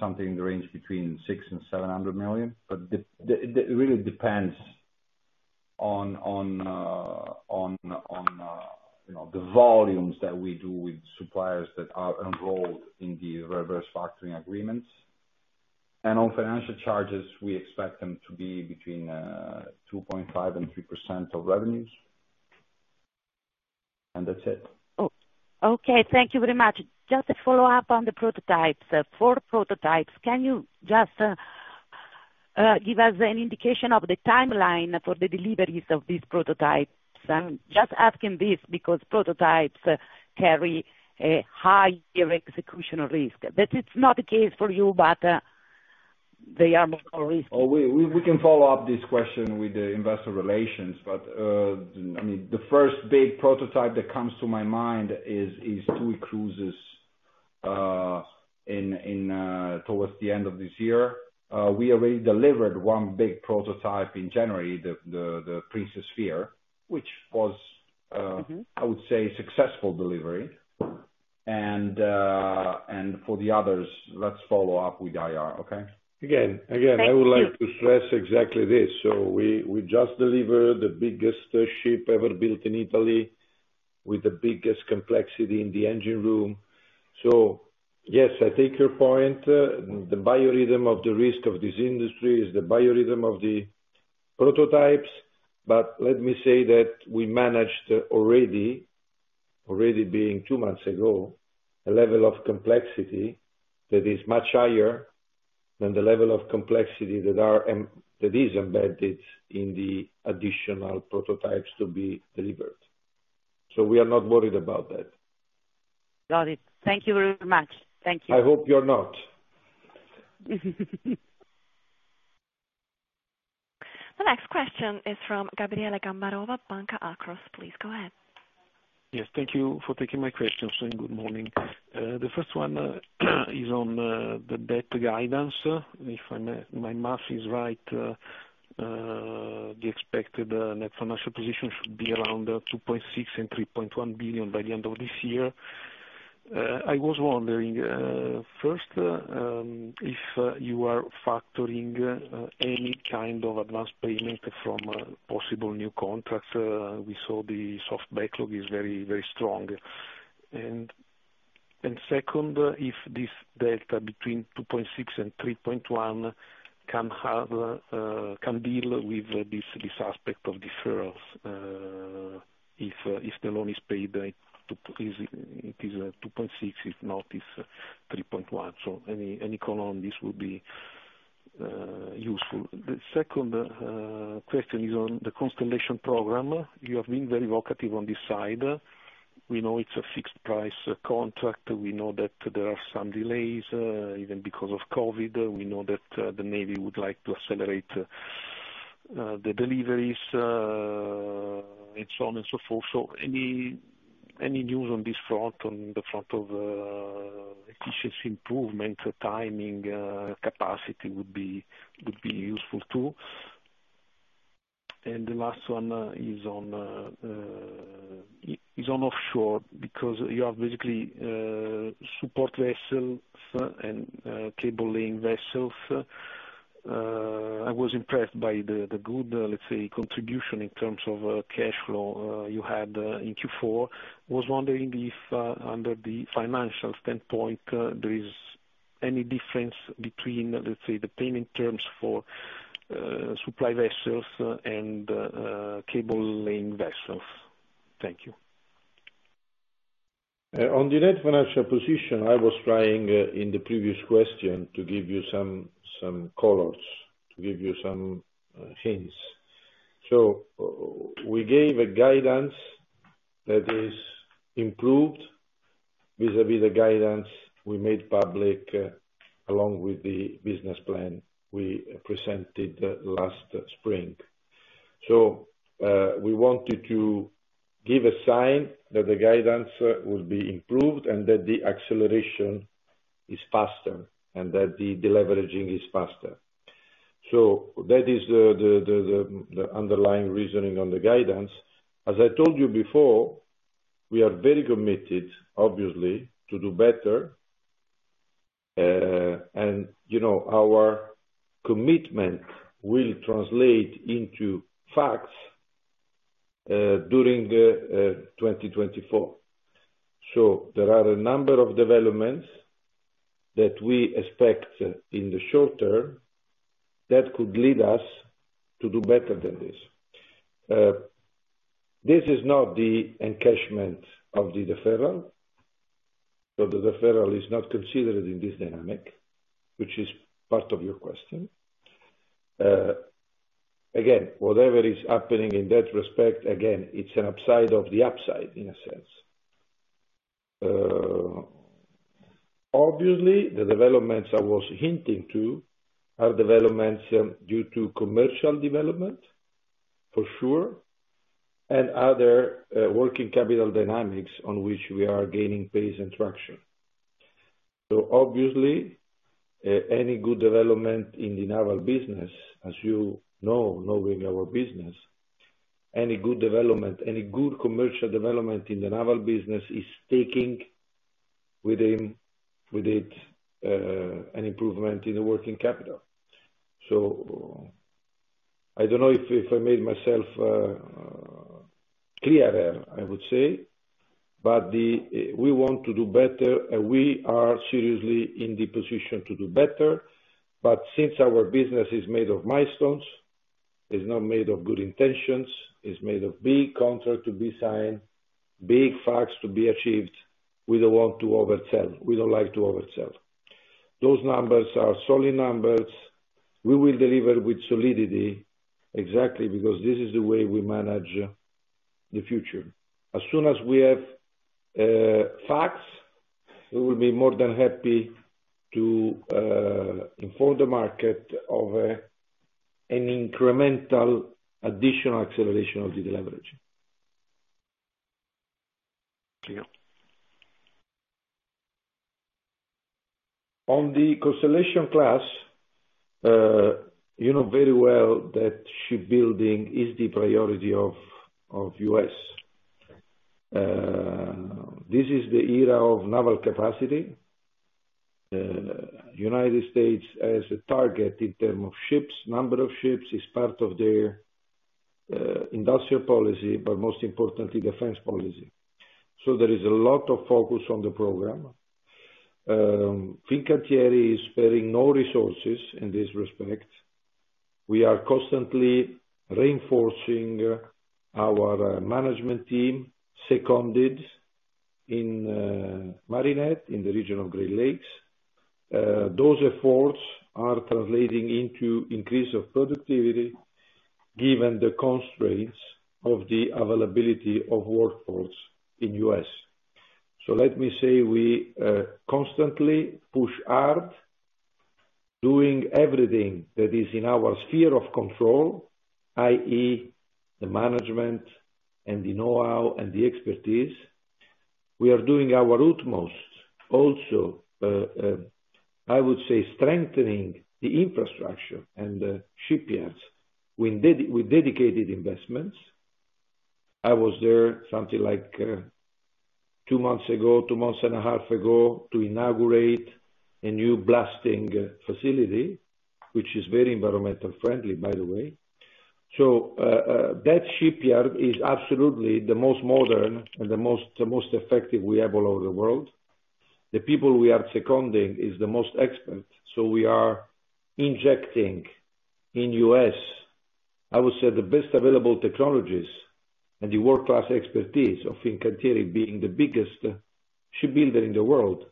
something in the range between 600 million and 700 million, but it really depends on the volumes that we do with suppliers that are enrolled in the reverse factoring agreements. On financial charges, we expect them to be between 2.5% and 3% of revenues. That's it. Okay. Thank you very much. Just to follow up on the prototypes, four prototypes, can you just give us an indication of the timeline for the deliveries of these prototypes? I'm just asking this because prototypes carry a higher execution risk. That it's not the case for you, but they are more risky. Oh, we can follow up this question with the investor relations, but I mean, the first big prototype that comes to my mind is TUI Cruises towards the end of this year. We already delivered one big prototype in January, the Sun Princess, which was, I would say, a successful delivery. And for the others, let's follow up with IR, okay? Again, again, I would like to stress exactly this. So we just delivered the biggest ship ever built in Italy with the biggest complexity in the engine room. So yes, I take your point. The biorhythm of the risk of this industry is the biorhythm of the prototypes. But let me say that we managed already, being two months ago, a level of complexity that is much higher than the level of complexity that is embedded in the additional prototypes to be delivered. We are not worried about that. Got it. Thank you very much. Thank you. I hope you're not. The next question is from Gabriele Gambarova, Banca Akros. Please go ahead. Yes. Thank you for taking my questions. Good morning. The first one is on the debt guidance. If my math is right, the expected net financial position should be around 2.6 billion and 3.1 billion by the end of this year. I was wondering, first, if you are factoring any kind of advance payment from possible new contracts. We saw the soft backlog is very, very strong. And second, if this delta between 2.6 billion and 3.1 billion can deal with this aspect of deferrals, if the loan is paid, it is 2.6 billion; if not, it's 3.1 billion. So any column on this would be useful. The second question is on the Constellation program. You have been very evocative on this side. We know it's a fixed-price contract. We know that there are some delays, even because of COVID. We know that the Navy would like to accelerate the deliveries, and so on and so forth. So any news on this front, on the front of efficiency improvement, timing, capacity would be useful too. And the last one is on offshore because you have basically support vessels and cable-laying vessels. I was impressed by the good, let's say, contribution in terms of cash flow you had in Q4. I was wondering if, under the financial standpoint, there is any difference between, let's say, the payment terms for supply vessels and cable-laying vessels. Thank you. On the net financial position, I was trying, in the previous question, to give you some colors, to give you some hints. So we gave a guidance that is improved vis-à-vis the guidance we made public along with the business plan we presented last spring. So we wanted to give a sign that the guidance would be improved and that the acceleration is faster and that the leveraging is faster. So that is the underlying reasoning on the guidance. As I told you before, we are very committed, obviously, to do better, and our commitment will translate into facts during 2024. So there are a number of developments that we expect in the short term that could lead us to do better than this. This is not the encashment of the deferral. So the deferral is not considered in this dynamic, which is part of your question. Again, whatever is happening in that respect, again, it's an upside of the upside, in a sense. Obviously, the developments I was hinting to are developments due to commercial development, for sure, and other working capital dynamics on which we are gaining pace and traction. So obviously, any good development in the naval business, as you know, knowing our business, any good development, any good commercial development in the naval business is taking with it an improvement in the working capital. So I don't know if I made myself clearer, I would say, but we want to do better, and we are seriously in the position to do better. But since our business is made of milestones, it's not made of good intentions. It's made of big contract to be signed, big facts to be achieved. We don't want to oversell. We don't like to oversell. Those numbers are solid numbers. We will deliver with solidity exactly because this is the way we manage the future. As soon as we have facts, we will be more than happy to inform the market of an incremental additional acceleration of the leverage. Thank you. On the Constellation-class, you know very well that shipbuilding is the priority of the U.S. This is the era of naval capacity. The United States has a target in terms of ships, number of ships is part of their industrial policy, but most importantly, defense policy. So there is a lot of focus on the program. Fincantieri is sparing no resources in this respect. We are constantly reinforcing our management team, seconded in Marinette, in the region of Great Lakes. Those efforts are translating into increase of productivity given the constraints of the availability of workforce in the U.S. So let me say we constantly push hard, doing everything that is in our sphere of control, i.e., the management and the know-how and the expertise. We are doing our utmost also, I would say, strengthening the infrastructure and the shipyards with dedicated investments. I was there something like two months ago, two months and a half ago, to inaugurate a new blasting facility, which is very environmentally friendly, by the way. So that shipyard is absolutely the most modern and the most effective we have all over the world. The people we are seconding is the most expert. So we are injecting in U.S., I would say, the best available technologies and the world-class expertise of Fincantieri being the biggest shipbuilder in the world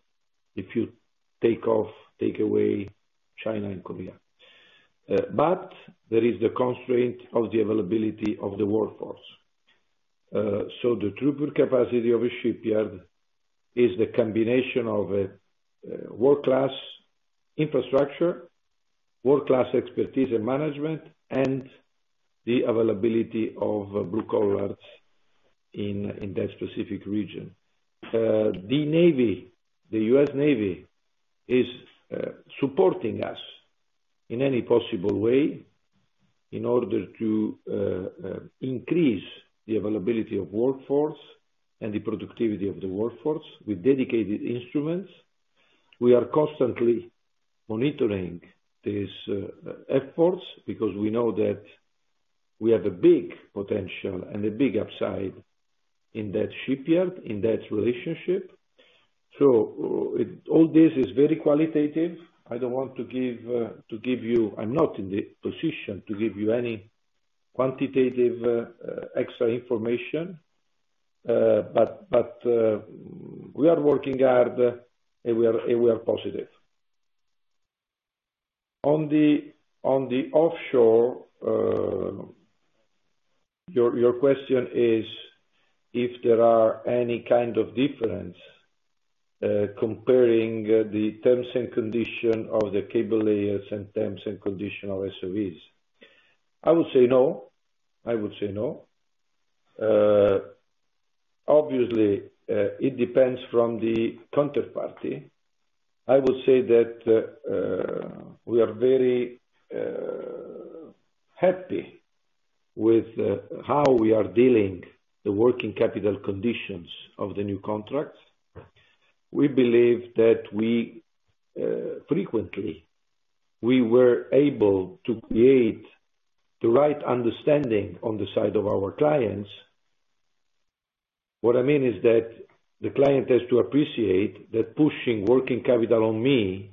if you take off, take away China and Korea. But there is the constraint of the availability of the workforce. So the true capacity of a shipyard is the combination of world-class infrastructure, world-class expertise and management, and the availability of blue collars in that specific region. The Navy, the U.S. Navy, is supporting us in any possible way in order to increase the availability of workforce and the productivity of the workforce with dedicated instruments. We are constantly monitoring these efforts because we know that we have a big potential and a big upside in that shipyard, in that relationship. So all this is very qualitative. I don't want to give you I'm not in the position to give you any quantitative extra information, but we are working hard, and we are positive. On the offshore, your question is if there are any kind of difference comparing the terms and condition of the cable layers and terms and condition of SOVs. I would say no. I would say no. Obviously, it depends from the counterparty. I would say that we are very happy with how we are dealing with the working capital conditions of the new contracts. We believe that frequently, we were able to create the right understanding on the side of our clients. What I mean is that the client has to appreciate that pushing working capital on me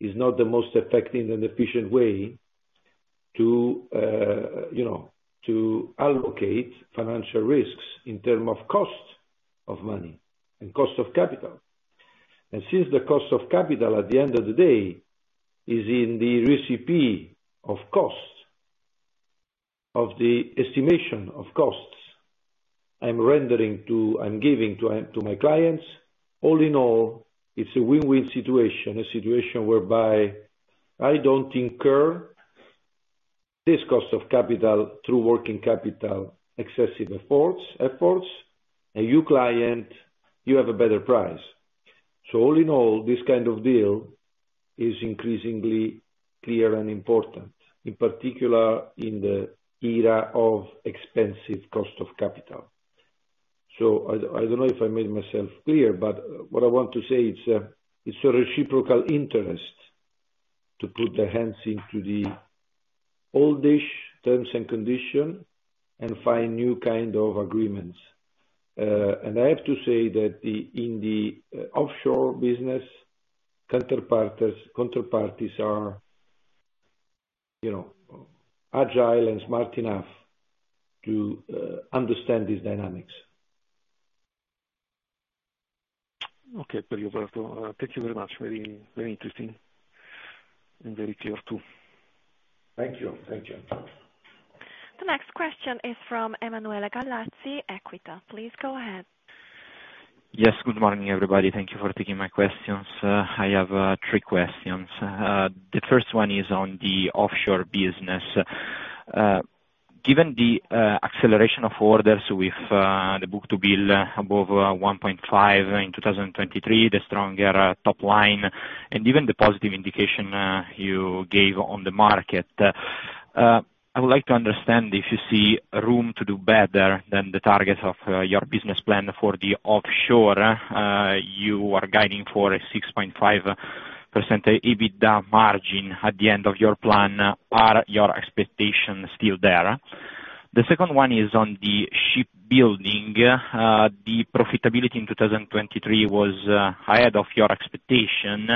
is not the most effective and efficient way to allocate financial risks in terms of cost of money and cost of capital. And since the cost of capital, at the end of the day, is in the recipe of cost, of the estimation of costs I'm giving to my clients, all in all, it's a win-win situation, a situation whereby I don't incur this cost of capital through working capital excessive efforts. A new client, you have a better price. So all in all, this kind of deal is increasingly clear and important, in particular in the era of expensive cost of capital. So I don't know if I made myself clear, but what I want to say, it's a reciprocal interest to put the hands into the oldish terms and condition and find new kind of agreements. And I have to say that in the offshore business, counterparties are agile and smart enough to understand these dynamics. Okay, Pierroberto Folgiero, thank you very much. Very, very interesting and very clear too. Thank you. Thank you. The next question is from Emanuele Gallazzi, Equita. Please go ahead. Yes. Good morning, everybody. Thank you for taking my questions. I have three questions. The first one is on the offshore business. Given the acceleration of orders with the book-to-bill above 1.5 in 2023, the stronger top line, and even the positive indication you gave on the market, I would like to understand if you see room to do better than the targets of your business plan for the offshore. You are guiding for a 6.5% EBITDA margin at the end of your plan. Are your expectations still there? The second one is on the shipbuilding. The profitability in 2023 was ahead of your expectation.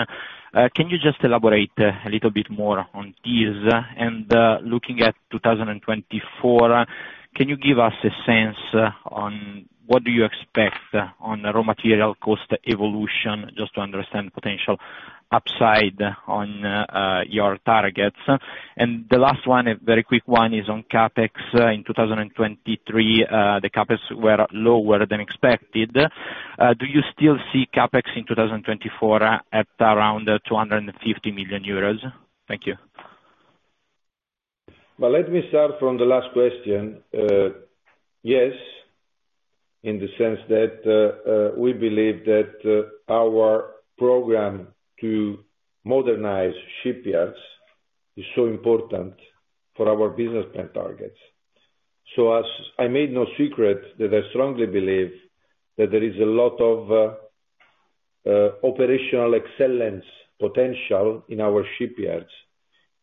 Can you just elaborate a little bit more on these? And looking at 2024, can you give us a sense on what do you expect on raw material cost evolution, just to understand potential upside on your targets? The last one, a very quick one, is on CapEx. In 2023, the CapEx were lower than expected. Do you still see CapEx in 2024 at around 250 million euros? Thank you. Well, let me start from the last question. Yes, in the sense that we believe that our program to modernize shipyards is so important for our business plan targets. So I made no secret that I strongly believe that there is a lot of operational excellence potential in our shipyards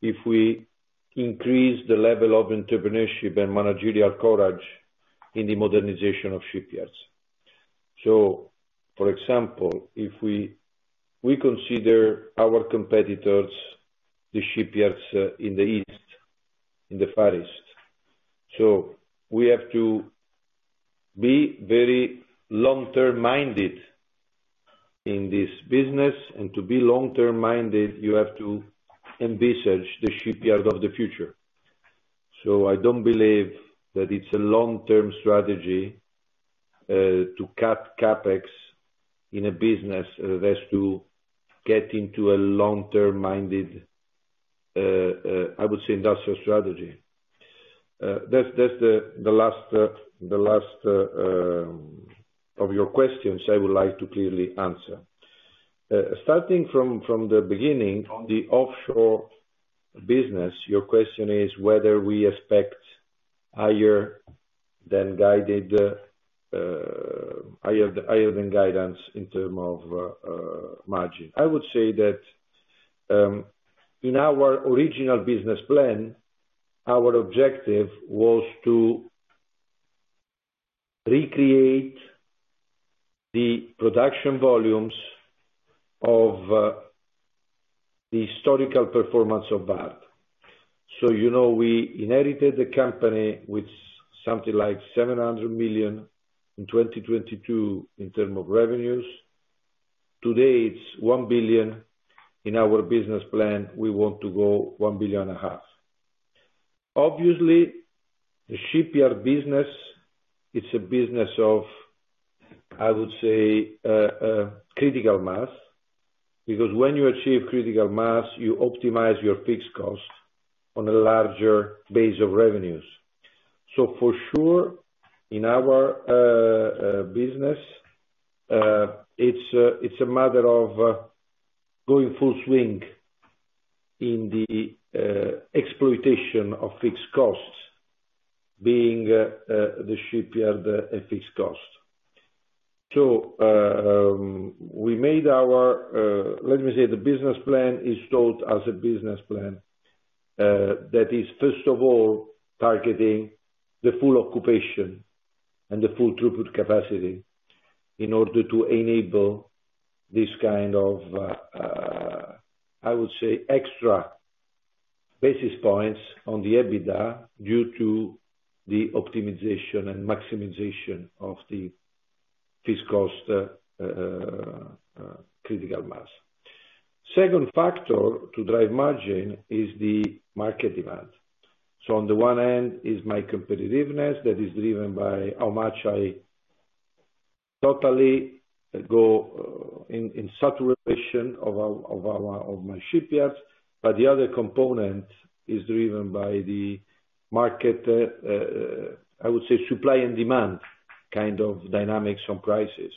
if we increase the level of entrepreneurship and managerial courage in the modernization of shipyards. So, for example, we consider our competitors, the shipyards in the east, in the Far East. So we have to be very long-term minded in this business. And to be long-term minded, you have to envisage the shipyard of the future. So I don't believe that it's a long-term strategy to cut CapEx in a business that has to get into a long-term minded, I would say, industrial strategy. That's the last of your questions I would like to clearly answer. Starting from the beginning, on the offshore business, your question is whether we expect higher than guided, higher than guidance in terms of margin. I would say that in our original business plan, our objective was to recreate the production volumes of the historical performance of Vard. So we inherited the company with something like 700 million in 2022 in terms of revenues. Today, it's 1 billion. In our business plan, we want to go 1.5 billion. Obviously, the shipyard business, it's a business of, I would say, critical mass because when you achieve critical mass, you optimize your fixed cost on a larger base of revenues. So for sure, in our business, it's a matter of going full swing in the exploitation of fixed costs, being the shipyard a fixed cost. So we made our, let me say, the business plan is told as a business plan that is, first of all, targeting the full occupation and the full throughput capacity in order to enable this kind of, I would say, extra basis points on the EBITDA due to the optimization and maximization of the fixed cost critical mass. Second factor to drive margin is the market demand. So on the one hand, is my competitiveness that is driven by how much I totally go in saturation of my shipyards. But the other component is driven by the market, I would say, supply and demand kind of dynamics on prices.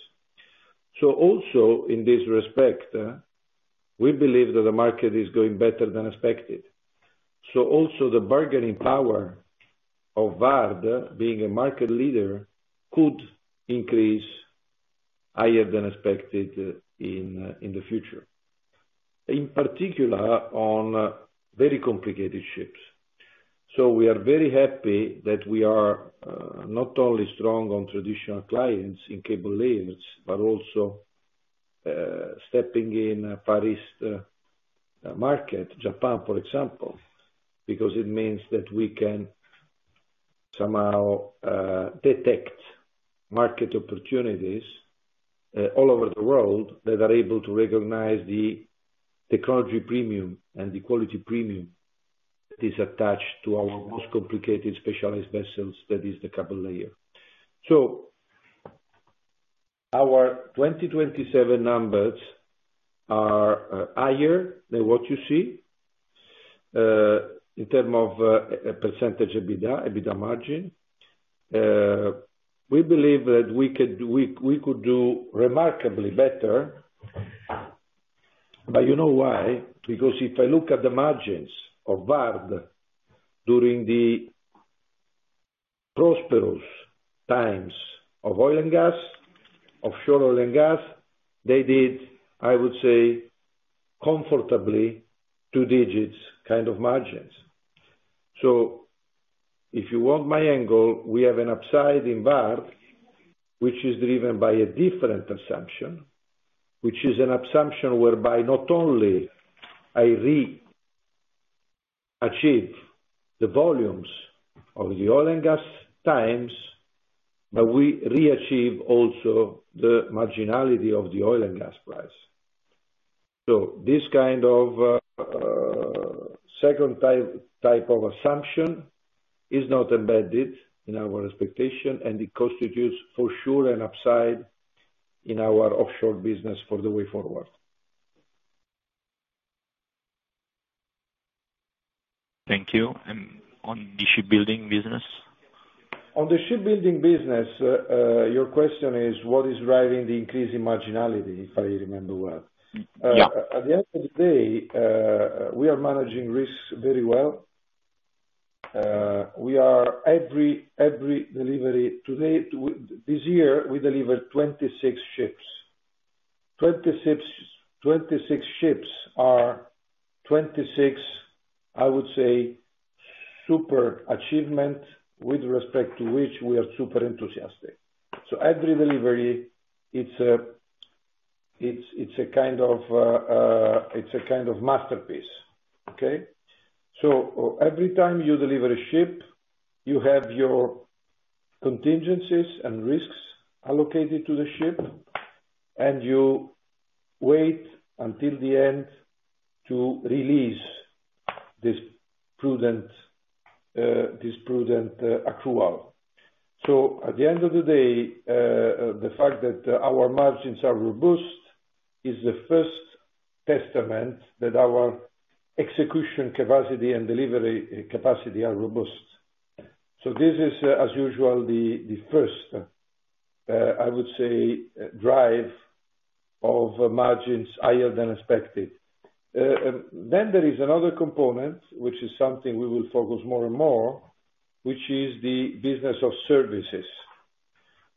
So also, in this respect, we believe that the market is going better than expected. So also, the bargaining power of Vard being a market leader could increase higher than expected in the future, in particular on very complicated ships. So we are very happy that we are not only strong on traditional clients in cable layers, but also stepping in the Far East market, Japan, for example, because it means that we can somehow detect market opportunities all over the world that are able to recognize the technology premium and the quality premium that is attached to our most complicated specialized vessels, that is, the cable layer. So our 2027 numbers are higher than what you see in terms of percentage EBITDA, EBITDA margin. We believe that we could do remarkably better. But you know why? Because if I look at the margins of Vard during the prosperous times of offshore oil and gas, they did, I would say, comfortably two digits kind of margins. If you want my angle, we have an upside in Vard, which is driven by a different assumption, which is an assumption whereby not only I re-achieve the volumes of the oil and gas times, but we re-achieve also the marginality of the oil and gas price. So this kind of second type of assumption is not embedded in our expectation, and it constitutes for sure an upside in our offshore business for the way forward. Thank you. And on the shipbuilding business? On the shipbuilding business, your question is what is driving the increasing marginality, if I remember well. At the end of the day, we are managing risks very well. Today, this year, we delivered 26 ships. 26 ships are 26, I would say, super achievements, with respect to which we are super enthusiastic. So every delivery, it's a kind of it's a kind of masterpiece, okay? So every time you deliver a ship, you have your contingencies and risks allocated to the ship, and you wait until the end to release this prudent accrual. So at the end of the day, the fact that our margins are robust is the first testament that our execution capacity and delivery capacity are robust. So this is, as usual, the first, I would say, drive of margins higher than expected. Then there is another component, which is something we will focus more and more, which is the business of services.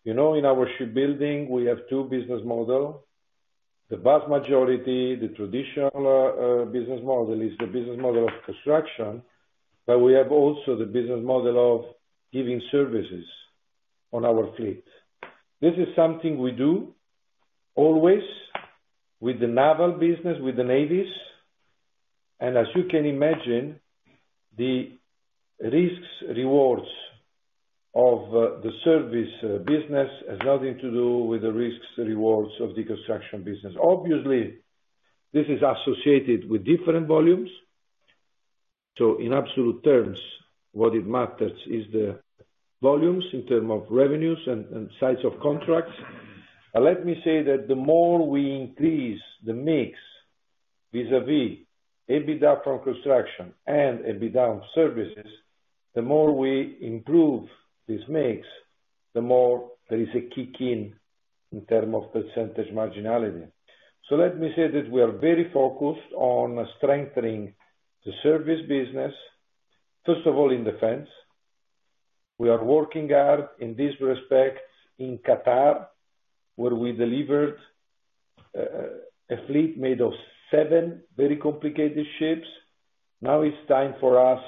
In our shipbuilding, we have two business models. The vast majority, the traditional business model is the business model of construction, but we have also the business model of giving services on our fleet. This is something we do always with the naval business, with the navies. And as you can imagine, the risks-rewards of the service business has nothing to do with the risks-rewards of the construction business. Obviously, this is associated with different volumes. So in absolute terms, what it matters is the volumes in terms of revenues and size of contracts. But let me say that the more we increase the mix vis-à-vis EBITDA from construction and EBITDA of services, the more we improve this mix, the more there is a kick-in in terms of percentage marginality. So let me say that we are very focused on strengthening the service business, first of all, in defense. We are working hard in this respect in Qatar, where we delivered a fleet made of seven very complicated ships. Now it's time for us,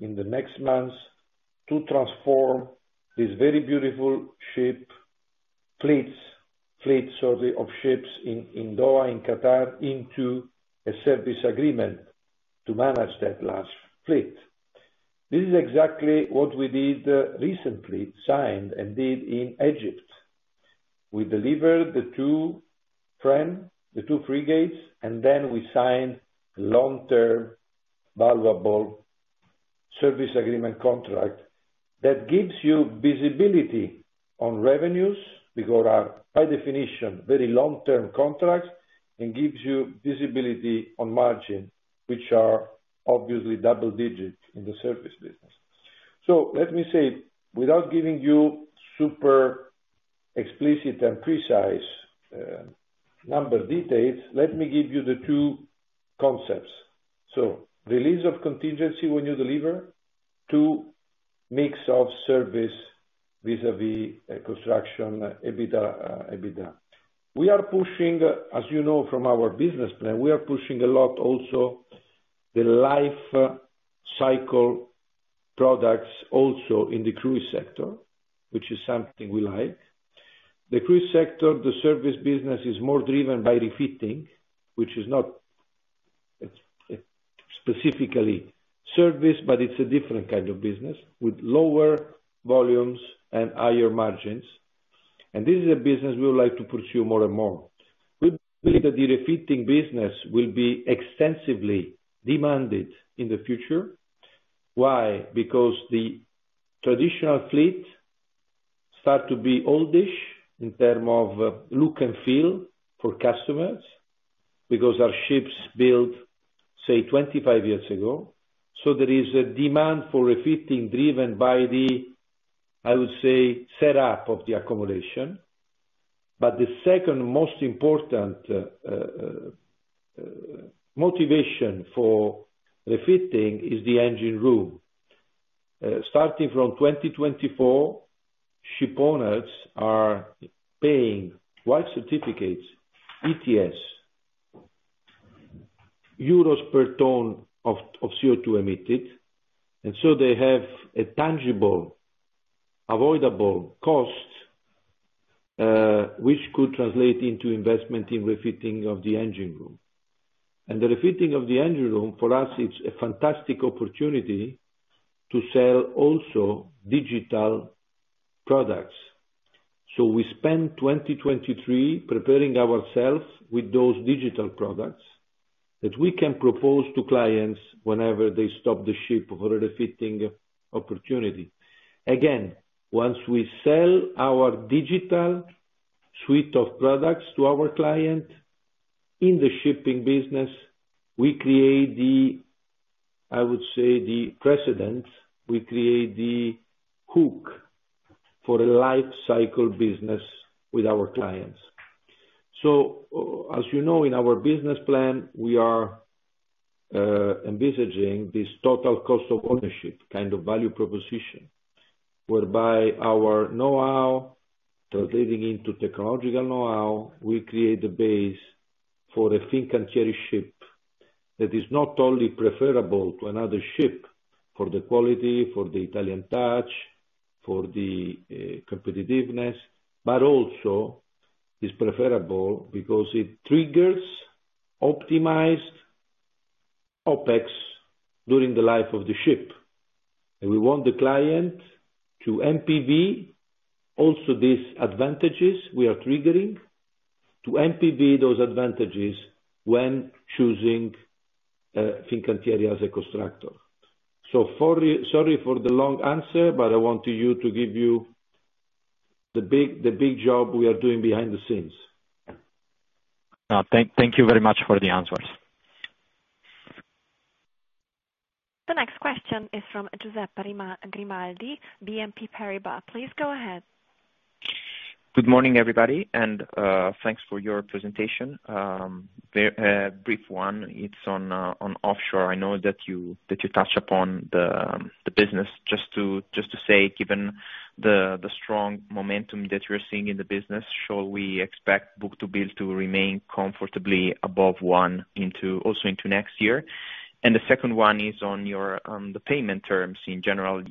in the next months, to transform these very beautiful ship fleets, sorry, of ships in Doha, in Qatar, into a service agreement to manage that large fleet. This is exactly what we did recently, signed and did in Egypt. We delivered the two frigates, and then we signed a long-term, valuable service agreement contract that gives you visibility on revenues because they are, by definition, very long-term contracts and gives you visibility on margin, which are obviously double-digit in the service business. So let me say, without giving you super explicit and precise number details, let me give you the two concepts. So, release of contingency when you deliver to the mix of service vis-à-vis construction EBITDA. As you know from our business plan, we are pushing a lot also the life cycle products also in the cruise sector, which is something we like. The cruise sector, the service business is more driven by refitting, which is not specifically service, but it's a different kind of business with lower volumes and higher margins. And this is a business we would like to pursue more and more. We believe that the refitting business will be extensively demanded in the future. Why? Because the traditional fleet starts to be oldish in terms of look and feel for customers because our ships built, say, 25 years ago. So there is a demand for refitting driven by the, I would say, setup of the accommodation. But the second most important motivation for refitting is the engine room. Starting from 2024, shipowners are paying white certificates, ETS, EUR per tonne of CO2 emitted. So they have a tangible, avoidable cost, which could translate into investment in refitting of the engine room. The refitting of the engine room, for us, it's a fantastic opportunity to sell also digital products. So we spend 2023 preparing ourselves with those digital products that we can propose to clients whenever they stop the ship for a refitting opportunity. Again, once we sell our digital suite of products to our client in the shipping business, we create the, I would say, the precedent. We create the hook for a life cycle business with our clients. So as you know, in our business plan, we are envisaging this total cost of ownership kind of value proposition whereby our know-how translating into technological know-how, we create the base for a Fincantieri ship that is not only preferable to another ship for the quality, for the Italian touch, for the competitiveness, but also is preferable because it triggers optimized OpEx during the life of the ship. We want the client to perceive also these advantages we are triggering, to perceive those advantages when choosing Fincantieri as a constructor. So sorry for the long answer, but I want to give you the big job we are doing behind the scenes. Thank you very much for the answers. The next question is from Giuseppe Grimaldi, BNP Paribas. Please go ahead. Good morning, everybody, and thanks for your presentation. Brief one. It's on offshore. I know that you touched upon the business. Just to say, given the strong momentum that we're seeing in the business, shall we expect book-to-bill to remain comfortably above one also into next year? And the second one is on the payment terms. In general,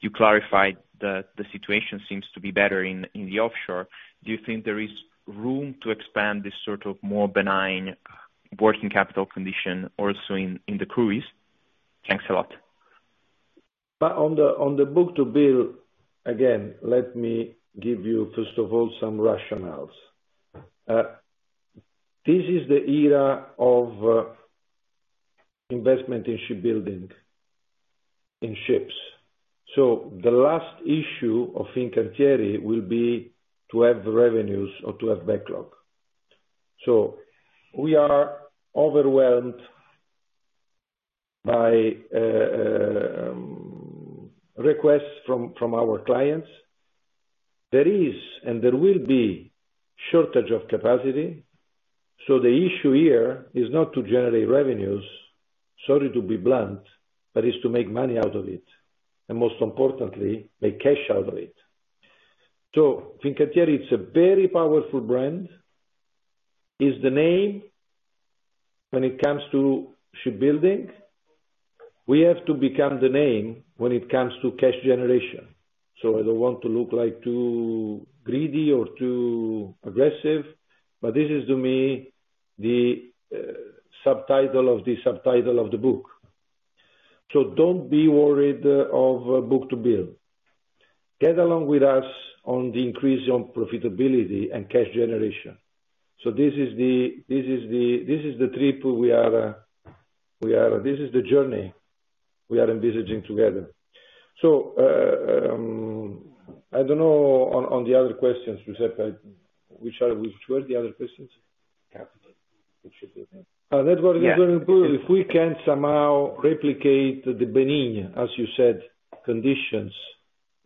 you clarified that the situation seems to be better in the offshore. Do you think there is room to expand this sort of more benign working capital condition also in the cruise? Thanks a lot. But on the book-to-bill, again, let me give you, first of all, some rationales. This is the era of investment in shipbuilding, in ships. So the last issue of Fincantieri will be to have revenues or to have backlog. So we are overwhelmed by requests from our clients. There is and there will be shortage of capacity. So the issue here is not to generate revenues, sorry to be blunt, but is to make money out of it and, most importantly, make cash out of it. So Fincantieri, it's a very powerful brand. It's the name when it comes to shipbuilding. We have to become the name when it comes to cash generation. So I don't want to look too greedy or too aggressive, but this is, to me, the subtitle of the book. So don't be worried of book-to-bill. Get along with us on the increase in profitability and cash generation. So this is the journey we are envisaging together. So I don't know on the other questions, Giuseppe, which were the other questions? Capital. It should be. That's what I was going to put. If we can somehow replicate the benign, as you said, conditions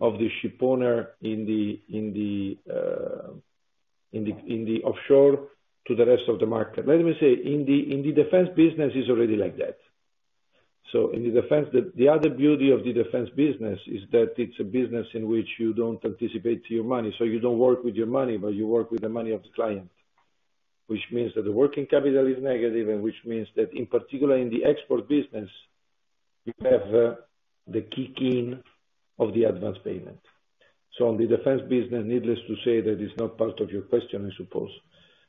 of the shipowner in the offshore to the rest of the market. Let me say, in the defense business, it's already like that. So in the defense, the other beauty of the defense business is that it's a business in which you don't anticipate your money. So you don't work with your money, but you work with the money of the client, which means that the working capital is negative and which means that, in particular, in the export business, you have the kick-in of the advance payment. So on the defense business, needless to say, that is not part of your question, I suppose.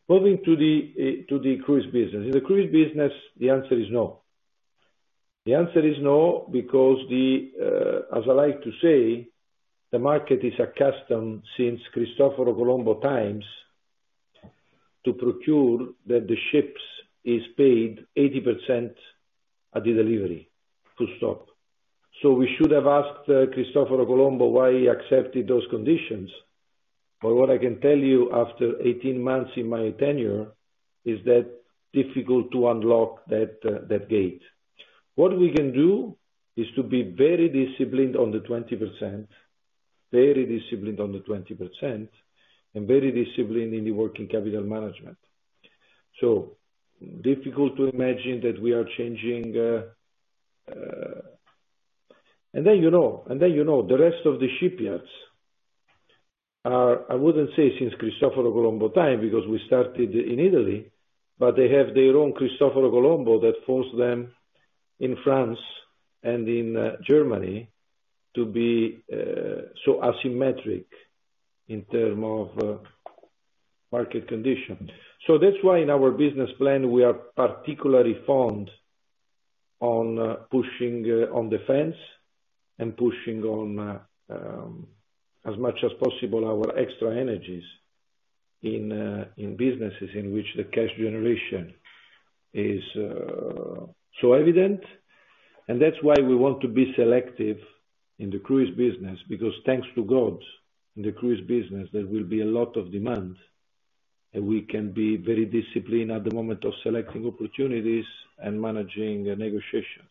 Moving to the cruise business. In the cruise business, the answer is no. The answer is no because, as I like to say, the market is accustomed since Cristoforo Colombo times to procure that the ships are paid 80% at the delivery, full stop. So we should have asked Cristoforo Colombo why he accepted those conditions. But what I can tell you after 18 months in my tenure is that it's difficult to unlock that gate. What we can do is to be very disciplined on the 20%, very disciplined on the 20%, and very disciplined in the working capital management. So difficult to imagine that we are changing and then you know. And then you know, the rest of the shipyards are I wouldn't say since Cristoforo Colombo time because we started in Italy, but they have their own Cristoforo Colombo that forces them in France and in Germany to be so asymmetric in terms of market condition. So that's why, in our business plan, we are particularly fond of pushing on defense and pushing on, as much as possible, our extra energies in businesses in which the cash generation is so evident. And that's why we want to be selective in the cruise business because, thanks to God, in the cruise business, there will be a lot of demand, and we can be very disciplined at the moment of selecting opportunities and managing negotiations,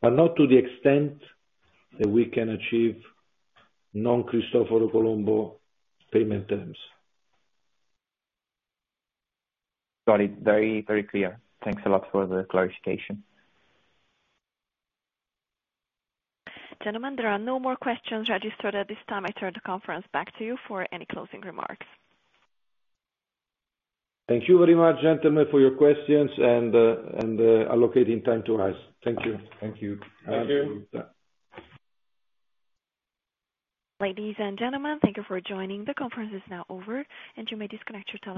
but not to the extent that we can achieve non-Cristoforo Colombo payment terms. Got it. Very, very clear. Thanks a lot for the clarification. Gentlemen, there are no more questions registered at this time. I turn the conference back to you for any closing remarks. Thank you very much, gentlemen, for your questions and allocating time to us. Thank you. Thank you. Thank you. Ladies and gentlemen, thank you for joining. The conference is now over, and you may disconnect your phone.